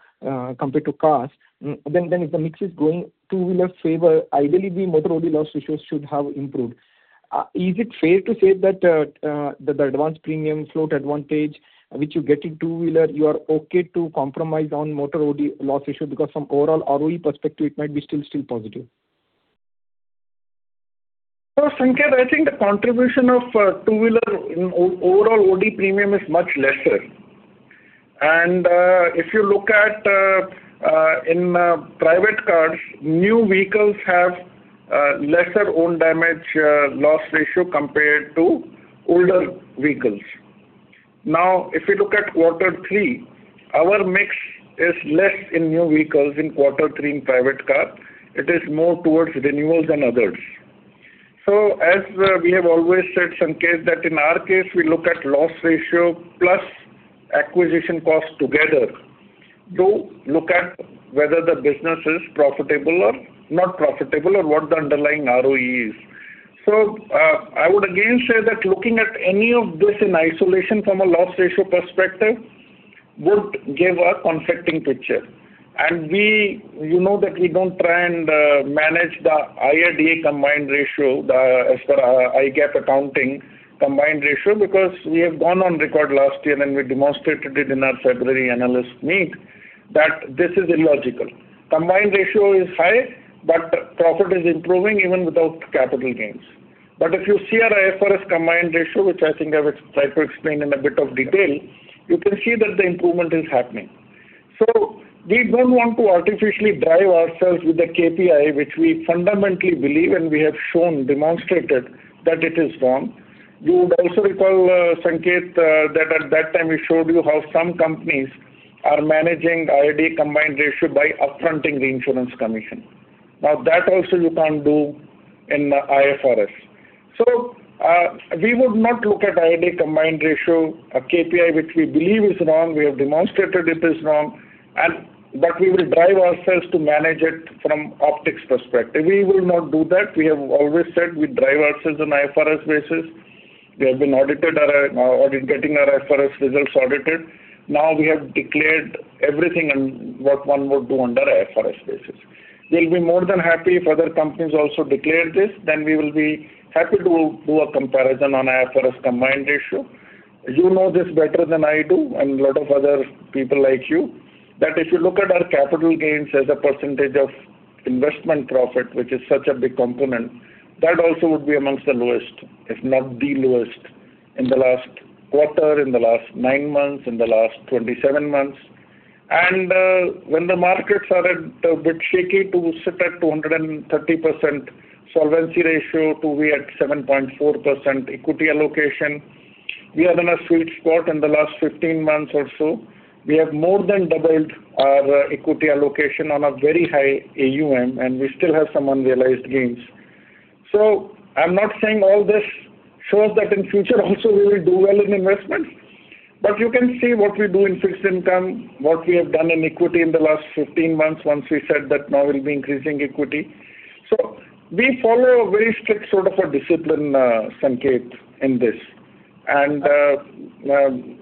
compared to cars, then if the mix is going two-wheeler favor, ideally, the motor OD loss ratios should have improved. Is it fair to say that the advanced premium float advantage which you get in two-wheeler, you are okay to compromise on motor OD loss ratio because from overall ROE perspective, it might be still positive? Sanketh, I think the contribution of two-wheeler overall OD premium is much lesser. And if you look at in private cars, new vehicles have lesser own damage loss ratio compared to older vehicles. Now, if you look at quarter three, our mix is less in new vehicles in quarter three in private car. It is more towards renewals than others. So as we have always said, Sanketh, that in our case, we look at loss ratio plus acquisition cost together to look at whether the business is profitable or not profitable or what the underlying ROE is. So I would again say that looking at any of this in isolation from a loss ratio perspective would give a conflicting picture. And you know that we don't try and manage the IRDAI combined ratio, as per IGAAP accounting combined ratio, because we have gone on record last year and we demonstrated it in our February analyst meet that this is illogical. Combined ratio is high, but profit is improving even without capital gains. But if you see our IFRS combined ratio, which I think I will try to explain in a bit of detail, you can see that the improvement is happening. So we don't want to artificially drive ourselves with the KPI, which we fundamentally believe and we have shown, demonstrated that it is wrong. You would also recall, Sanketh, that at that time we showed you how some companies are managing IRDAI combined ratio by fronting the insurance commission. Now, that also you can't do in the IFRS. So we would not look at IRDAI combined ratio, a KPI which we believe is wrong. We have demonstrated it is wrong, but we will drive ourselves to manage it from optics perspective. We will not do that. We have always said we drive ourselves on IFRS basis. We have been audited, getting our IFRS results audited. Now we have declared everything on what one would do under IFRS basis. We'll be more than happy if other companies also declare this. Then we will be happy to do a comparison on IFRS combined ratio. You know this better than I do and a lot of other people like you, that if you look at our capital gains as a percentage of investment profit, which is such a big component, that also would be amongst the lowest, if not the lowest, in the last quarter, in the last nine months, in the last 27 months. And when the market started a bit shaky to sit at 230% solvency ratio to be at 7.4% equity allocation, we are in a sweet spot in the last 15 months or so. We have more than doubled our equity allocation on a very high AUM, and we still have some unrealized gains. I'm not saying all this shows that in future also we will do well in investment, but you can see what we do in fixed income, what we have done in equity in the last 15 months once we said that now we'll be increasing equity. We follow a very strict sort of a discipline, Sanketh, in this.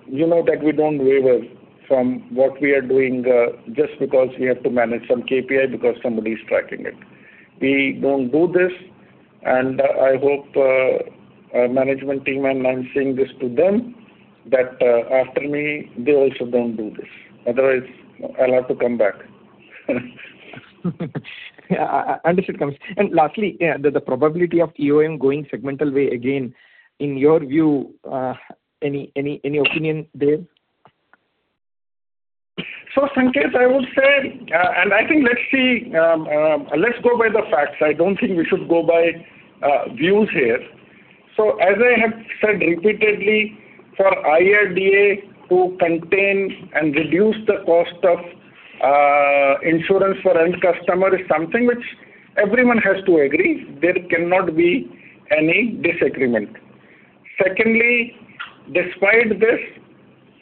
You know that we don't waver from what we are doing just because we have to manage some KPI because somebody is tracking it. We don't do this. I hope our management team and I'm saying this to them that after me, they also don't do this. Otherwise, I'll have to come back. Understood, Kamesh. Lastly, the probability of EoM going segmental way again, in your view, any opinion there? Sanketh, I would say, and I think let's see, let's go by the facts. I don't think we should go by views here. So as I have said repeatedly, for IRDAI to contain and reduce the cost of insurance for end customer is something which everyone has to agree. There cannot be any disagreement. Secondly, despite this,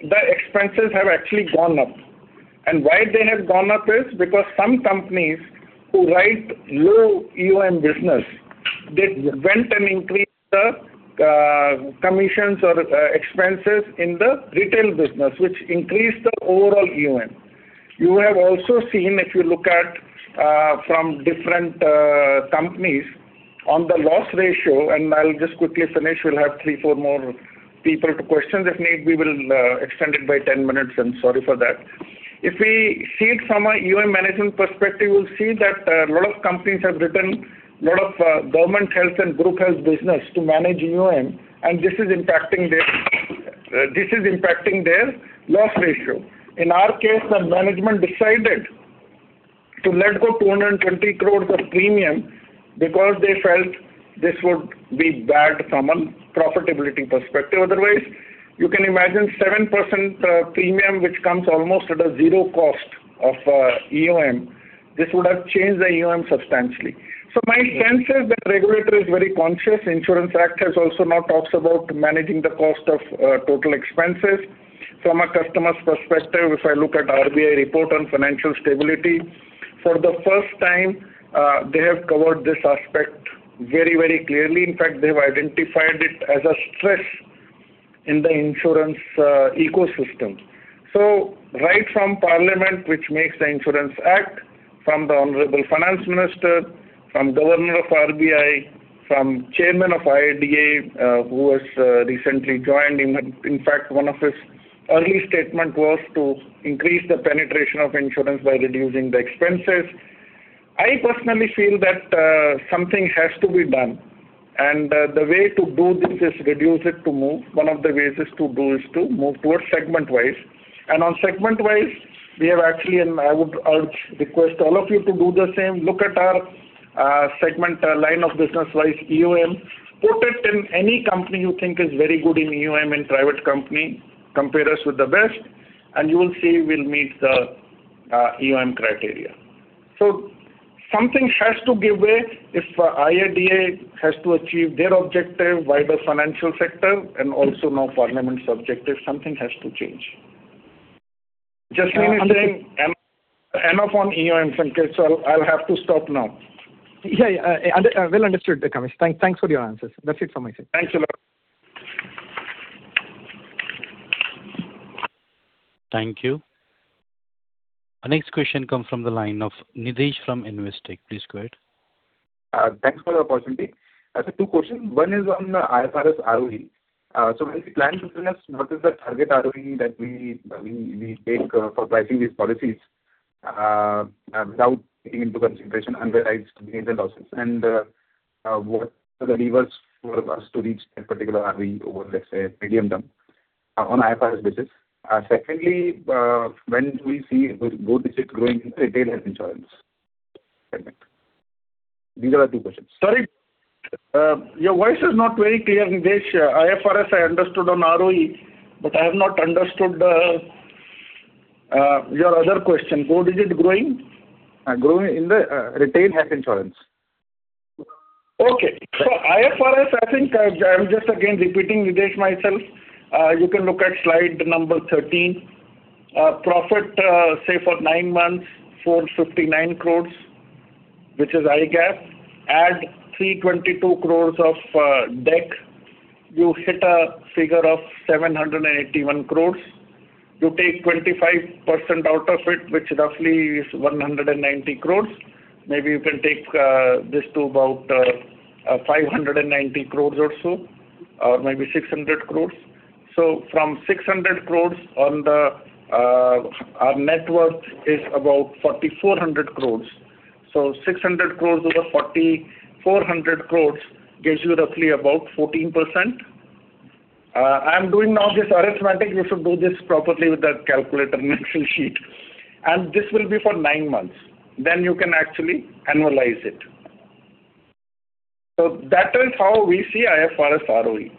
the expenses have actually gone up. And why they have gone up is because some companies who write low EoM business, they went and increased the commissions or expenses in the retail business, which increased the overall EM. You have also seen if you look at from different companies on the loss ratio, and I'll just quickly finish. We'll have three, four more people to question. If need, we will extend it by 10 minutes. I'm sorry for that. If we see it from a EoM management perspective, we'll see that a lot of companies have written a lot of government health and group health business to manage EoM, and this is impacting their loss ratio. In our case, the management decided to let go 220 crores of premium because they felt this would be bad from a profitability perspective. Otherwise, you can imagine 7% premium which comes almost at a zero cost of EoM. This would have changed the EoM substantially. So my sense is that the regulator is very conscious. Insurance Act has also now talked about managing the cost of total expenses from a customer's perspective. If I look at RBI report on financial stability, for the first time, they have covered this aspect very, very clearly. In fact, they have identified it as a stress in the insurance ecosystem. So right from Parliament, which makes the Insurance Act, from the Honorable Finance Minister, from Governor of RBI, from Chairman of IRDAI, who has recently joined. In fact, one of his early statements was to increase the penetration of insurance by reducing the expenses. I personally feel that something has to be done. And the way to do this is reduce it to move. One of the ways to do is to move towards segment-wise. And on segment-wise, we have actually, and I would urge request all of you to do the same. Look at our segment line of business-wise EoM, put it in any company you think is very good in EoM in private company, compare us with the best, and you will see we'll meet the EoM criteria. So something has to give way if IRDAI has to achieve their objective, wider financial sector, and also now Parliament's objective. Something has to change. Just mean you're saying enough on EoM, Sanketh, so I'll have to stop now. Yeah. Well understood, Kamesh. Thanks for your answers. That's it from my side. Thank you a lot. Thank you. Our next question comes from the line of Nidhesh from Investec. Please go ahead. Thanks for the opportunity. I have two questions. One is on the IFRS ROE. So when we plan to finance, what is the target ROE that we take for pricing these policies without taking into consideration unrealized gains and losses? And what are the levers for us to reach that particular ROE over, let's say, a medium term on an IFRS basis? Secondly, when do we see Go Digit growing in the retail health insurance segment? These are the two questions. Sorry. Your voice is not very clear, Nidhesh. IFRS, I understood on ROE, but I have not understood your other question. Go Digit growing in the retail health insurance. Okay. So IFRS, I think I'm just again repeating Nidhesh myself. You can look at slide number 13. Profit, say for nine months, 459 crores, which is IGAAP, add 322 crores of DAC. You hit a figure of 781 crores. You take 25% out of it, which roughly is 190 crores. Maybe you can take this to about 590 crores or so, or maybe 600 crores. So from 600 crores, our net worth is about 4,400 crores. So 600 crores over 4,400 crores gives you roughly about 14%. I'm doing now this arithmetic. You should do this properly with the calculator in Excel sheet. This will be for nine months. Then you can actually analyze it. So that is how we see IFRS ROE.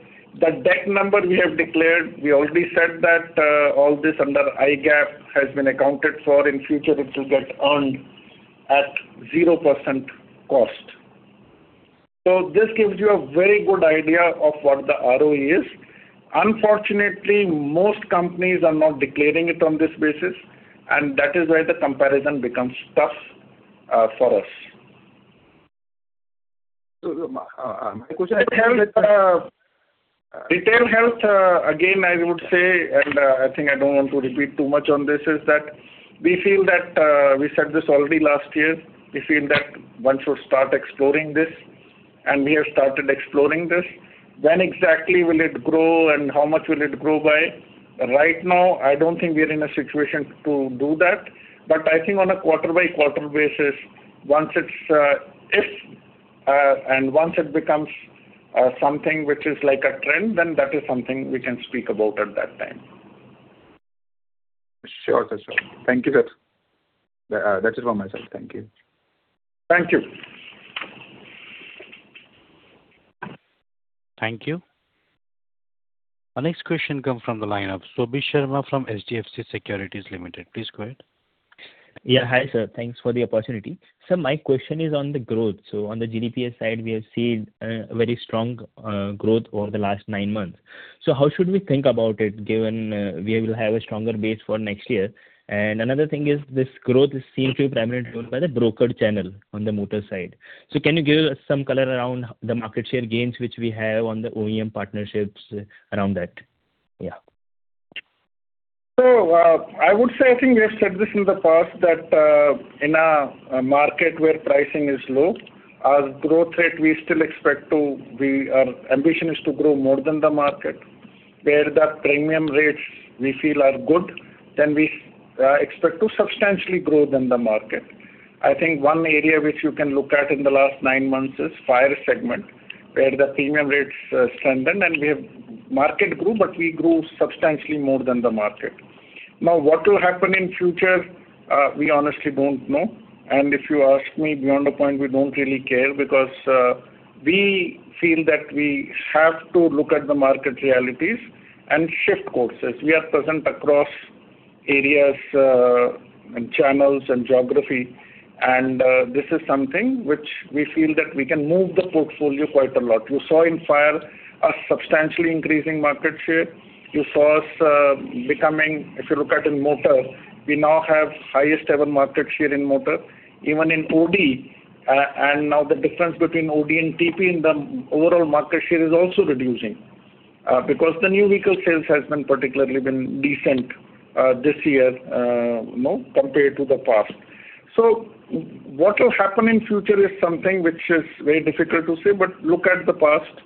The DAC number we have declared, we already said that all this under IGAAP has been accounted for. In future, it will get earned at 0% cost. So this gives you a very good idea of what the ROE is. Unfortunately, most companies are not declaring it on this basis, and that is where the comparison becomes tough for us. My question is retail health. Again, I would say, and I think I don't want to repeat too much on this, is that we feel that we said this already last year. We feel that one should start exploring this, and we have started exploring this. When exactly will it grow and how much will it grow by? Right now, I don't think we are in a situation to do that. But I think on a quarter-by-quarter basis, once it's if and once it becomes something which is like a trend, then that is something we can speak about at that time. Sure, sir. Thank you, sir. That's it from my side. Thank you. Thank you. Thank you. Our next question comes from the line of Shobhit Sharma from HDFC Securities Limited. Please go ahead. Yeah. Hi, sir. Thanks for the opportunity. Sir, my question is on the growth. So on the GDPI side, we have seen a very strong growth over the last nine months. So how should we think about it given we will have a stronger base for next year? And another thing is this growth seems to be primarily driven by the broker channel on the motor side. So, can you give us some color around the market share gains which we have on the OEM partnerships around that? Yeah. So, I would say I think we have said this in the past that in a market where pricing is low, our growth rate we still expect to be our ambition is to grow more than the market. Where the premium rates we feel are good, then we expect to substantially grow more than the market. I think one area which you can look at in the last nine months is fire segment, where the premium rates strengthened and the market grew, but we grew substantially more than the market. Now, what will happen in future, we honestly don't know. And if you ask me beyond a point, we don't really care because we feel that we have to look at the market realities and shift courses. We are present across areas and channels and geography, and this is something which we feel that we can move the portfolio quite a lot. You saw in fire, us substantially increasing market share. You saw us becoming. If you look at in motor, we now have highest ever market share in motor, even in OD. And now the difference between OD and TP in the overall market share is also reducing because the new vehicle sales has been particularly decent this year compared to the past. So what will happen in future is something which is very difficult to say, but look at the past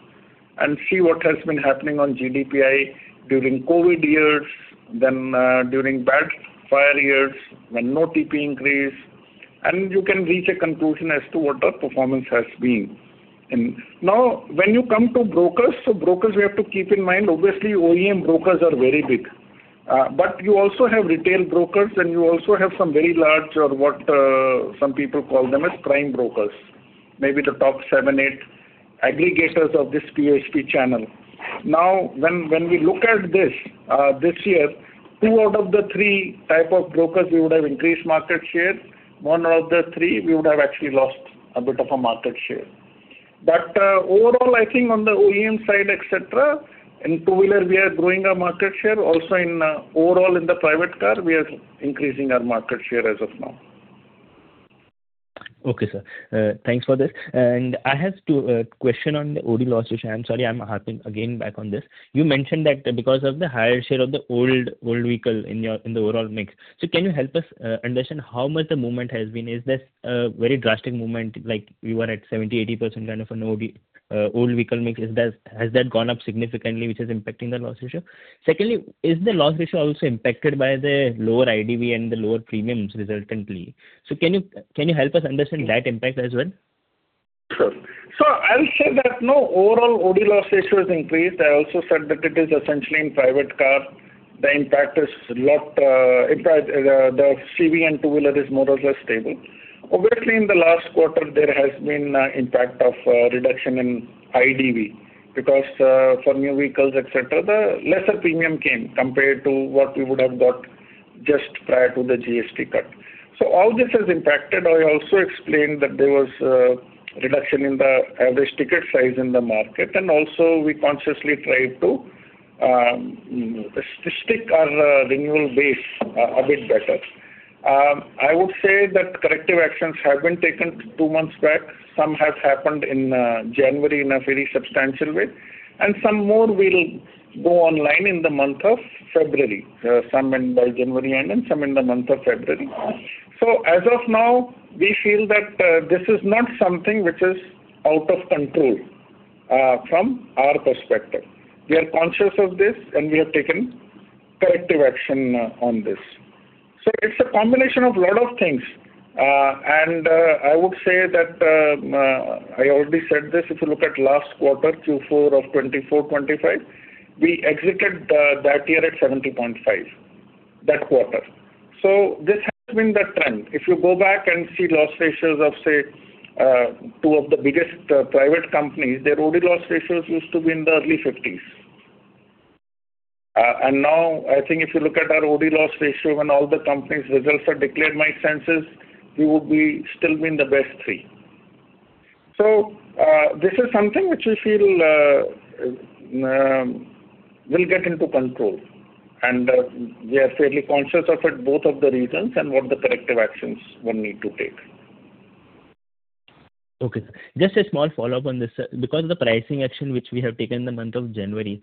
and see what has been happening on GDPI during COVID years, then during bad fire years when no TP increase, and you can reach a conclusion as to what the performance has been. Now, when you come to brokers, so brokers we have to keep in mind, obviously OEM brokers are very big. But you also have retail brokers, and you also have some very large or what some people call them as prime brokers, maybe the top seven, eight aggregators of this POSP channel. Now, when we look at this year, two out of the three type of brokers we would have increased market share. One out of the three, we would have actually lost a bit of a market share. But overall, I think on the OEM side, etc., in two-wheeler, we are growing our market share. Also overall in the private car, we are increasing our market share as of now. Okay, sir. Thanks for this. And I have a question on the OD loss ratio. I'm sorry, I'm hopping again back on this. You mentioned that because of the higher share of the old vehicle in the overall mix. So can you help us understand how much the movement has been? Is this a very drastic movement? You were at 70%-80% kind of an old vehicle mix. Has that gone up significantly, which is impacting the loss ratio? Secondly, is the loss ratio also impacted by the lower IDV and the lower premiums resultantly? So can you help us understand that impact as well? Sure. So I will say that now overall OD loss ratio has increased. I also said that it is essentially in private car. The impact is a lot the CV and two-wheeler is more or less stable. Obviously, in the last quarter, there has been an impact of reduction in IDV because for new vehicles, etc., the lesser premium came compared to what we would have got just prior to the GST cut. So how this has impacted, I also explained that there was a reduction in the average ticket size in the market, and also we consciously tried to stick our renewal base a bit better. I would say that corrective actions have been taken two months back. Some have happened in January in a very substantial way, and some more will go online in the month of February, some by January end and some in the month of February. So as of now, we feel that this is not something which is out of control from our perspective. We are conscious of this, and we have taken corrective action on this. So it's a combination of a lot of things. And I would say that I already said this. If you look at last quarter, Q4 of 2024, 2025, we exited that year at 70.5% that quarter. So this has been the trend. If you go back and see loss ratios of, say, two of the biggest private companies, their OD loss ratios used to be in the early 50s. And now, I think if you look at our OD loss ratio when all the companies' results are declared, my sense is we would still be in the best three. So this is something which we feel will get into control, and we are fairly conscious of both of the reasons and what the corrective actions will need to take. Okay. Just a small follow-up on this. Because of the pricing action which we have taken in the month of January,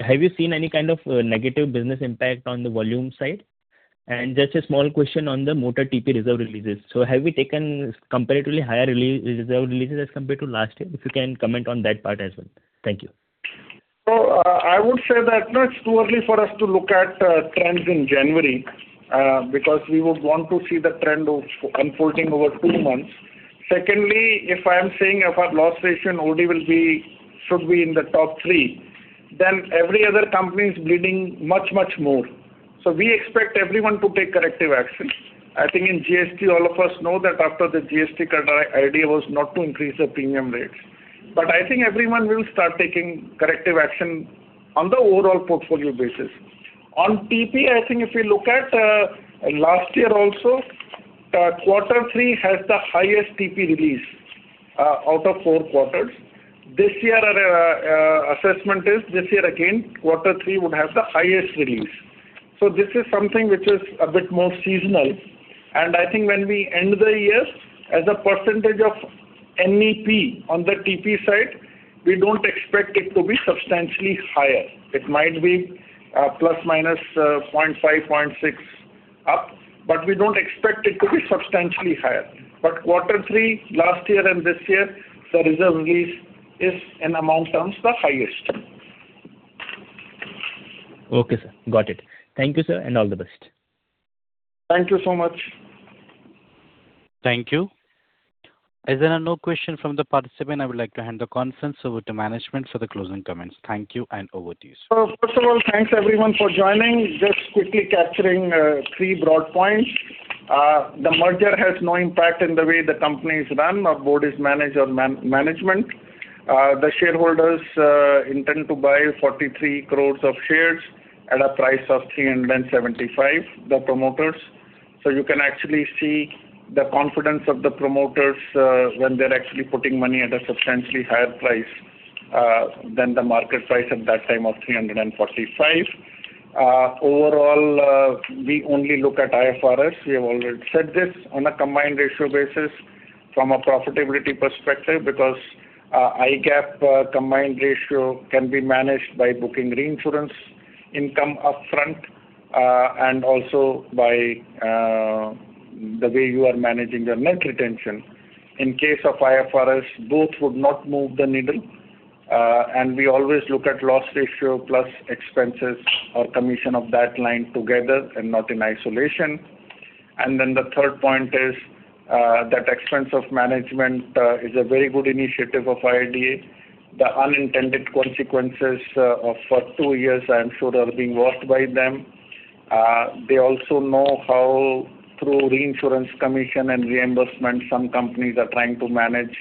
have you seen any kind of negative business impact on the volume side? And just a small question on the motor TP reserve releases. So have we taken comparatively higher reserve releases as compared to last year? If you can comment on that part as well. Thank you. So I would say that it's too early for us to look at trends in January because we would want to see the trend unfolding over two months. Secondly, if I'm saying if our loss ratio in OD should be in the top three, then every other company is bleeding much, much more. So we expect everyone to take corrective action. I think in GST, all of us know that after the GST cut, our idea was not to increase the premium rates. But I think everyone will start taking corrective action on the overall portfolio basis. On TP, I think if you look at last year also, quarter three has the highest TP release out of four quarters. This year, our assessment is this year again, quarter three would have the highest release. So this is something which is a bit more seasonal. And I think when we end the year, as a percentage of NEP on the TP side, we don't expect it to be substantially higher. It might be plus minus 0.5, 0.6 up, but we don't expect it to be substantially higher. But quarter three last year and this year, the reserve release is in amount terms the highest. Okay, sir. Got it. Thank you, sir, and all the best. Thank you so much. Thank you. Is there no question from the participant? I would like to hand the conference over to management for the closing comments. Thank you, and over to you, sir. First of all, thanks everyone for joining. Just quickly capturing three broad points. The merger has no impact in the way the company is run or board is managed or management. The shareholders intend to buy 43 crore shares at a price of 375, the promoters. So you can actually see the confidence of the promoters when they're actually putting money at a substantially higher price than the market price at that time of 345. Overall, we only look at IFRS. We have already said this on a combined ratio basis from a profitability perspective because IGAAP combined ratio can be managed by booking reinsurance income upfront and also by the way you are managing your net retention. In case of IFRS, both would not move the needle. We always look at loss ratio plus expenses or commission of that line together and not in isolation. Then the third point is that Expenses of Management is a very good initiative of IRDAI. The unintended consequences of two years, I'm sure, are being watched by them. They also know how through reinsurance commission and reimbursement, some companies are trying to manage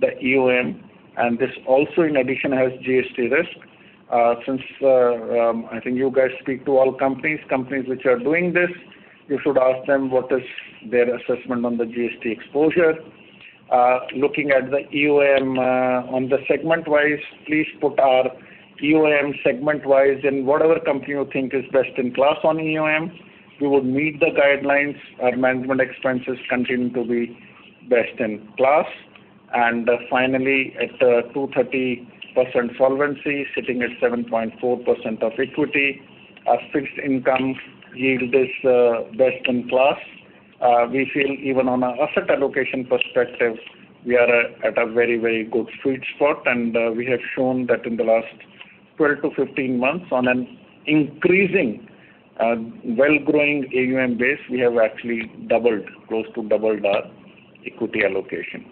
the EoM. This also, in addition, has GST risk. Since I think you guys speak to all companies, companies which are doing this, you should ask them what is their assessment on the GST exposure. Looking at the EoM on the segment-wise, please put our EoM segment-wise in whatever company you think is best in class on EoM. We would meet the guidelines. Our management expenses continue to be best in class. And finally, at 230% solvency, sitting at 7.4% of equity, our fixed income yield is best in class. We feel even on an asset allocation perspective, we are at a very, very good sweet spot. And we have shown that in the last 12-15 months, on an increasing well-growing AUM base, we have actually doubled, close to doubled our equity allocation.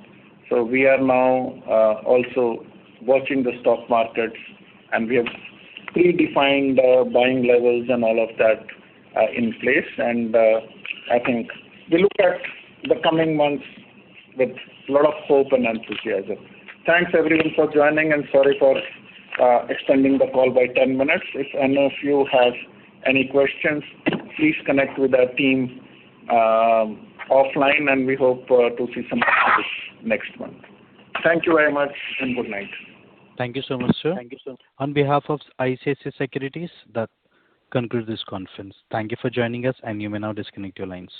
So we are now also watching the stock markets, and we have predefined buying levels and all of that in place. And I think we look at the coming months with a lot of hope and enthusiasm. Thanks everyone for joining, and sorry for extending the call by 10 minutes. If any of you have any questions, please connect with our team offline, and we hope to see some of you next month. Thank you very much, and good night. Thank you so much, sir. Thank you so much. On behalf of ICICI Securities, that concludes this conference. Thank you for joining us, and you may now disconnect your lines.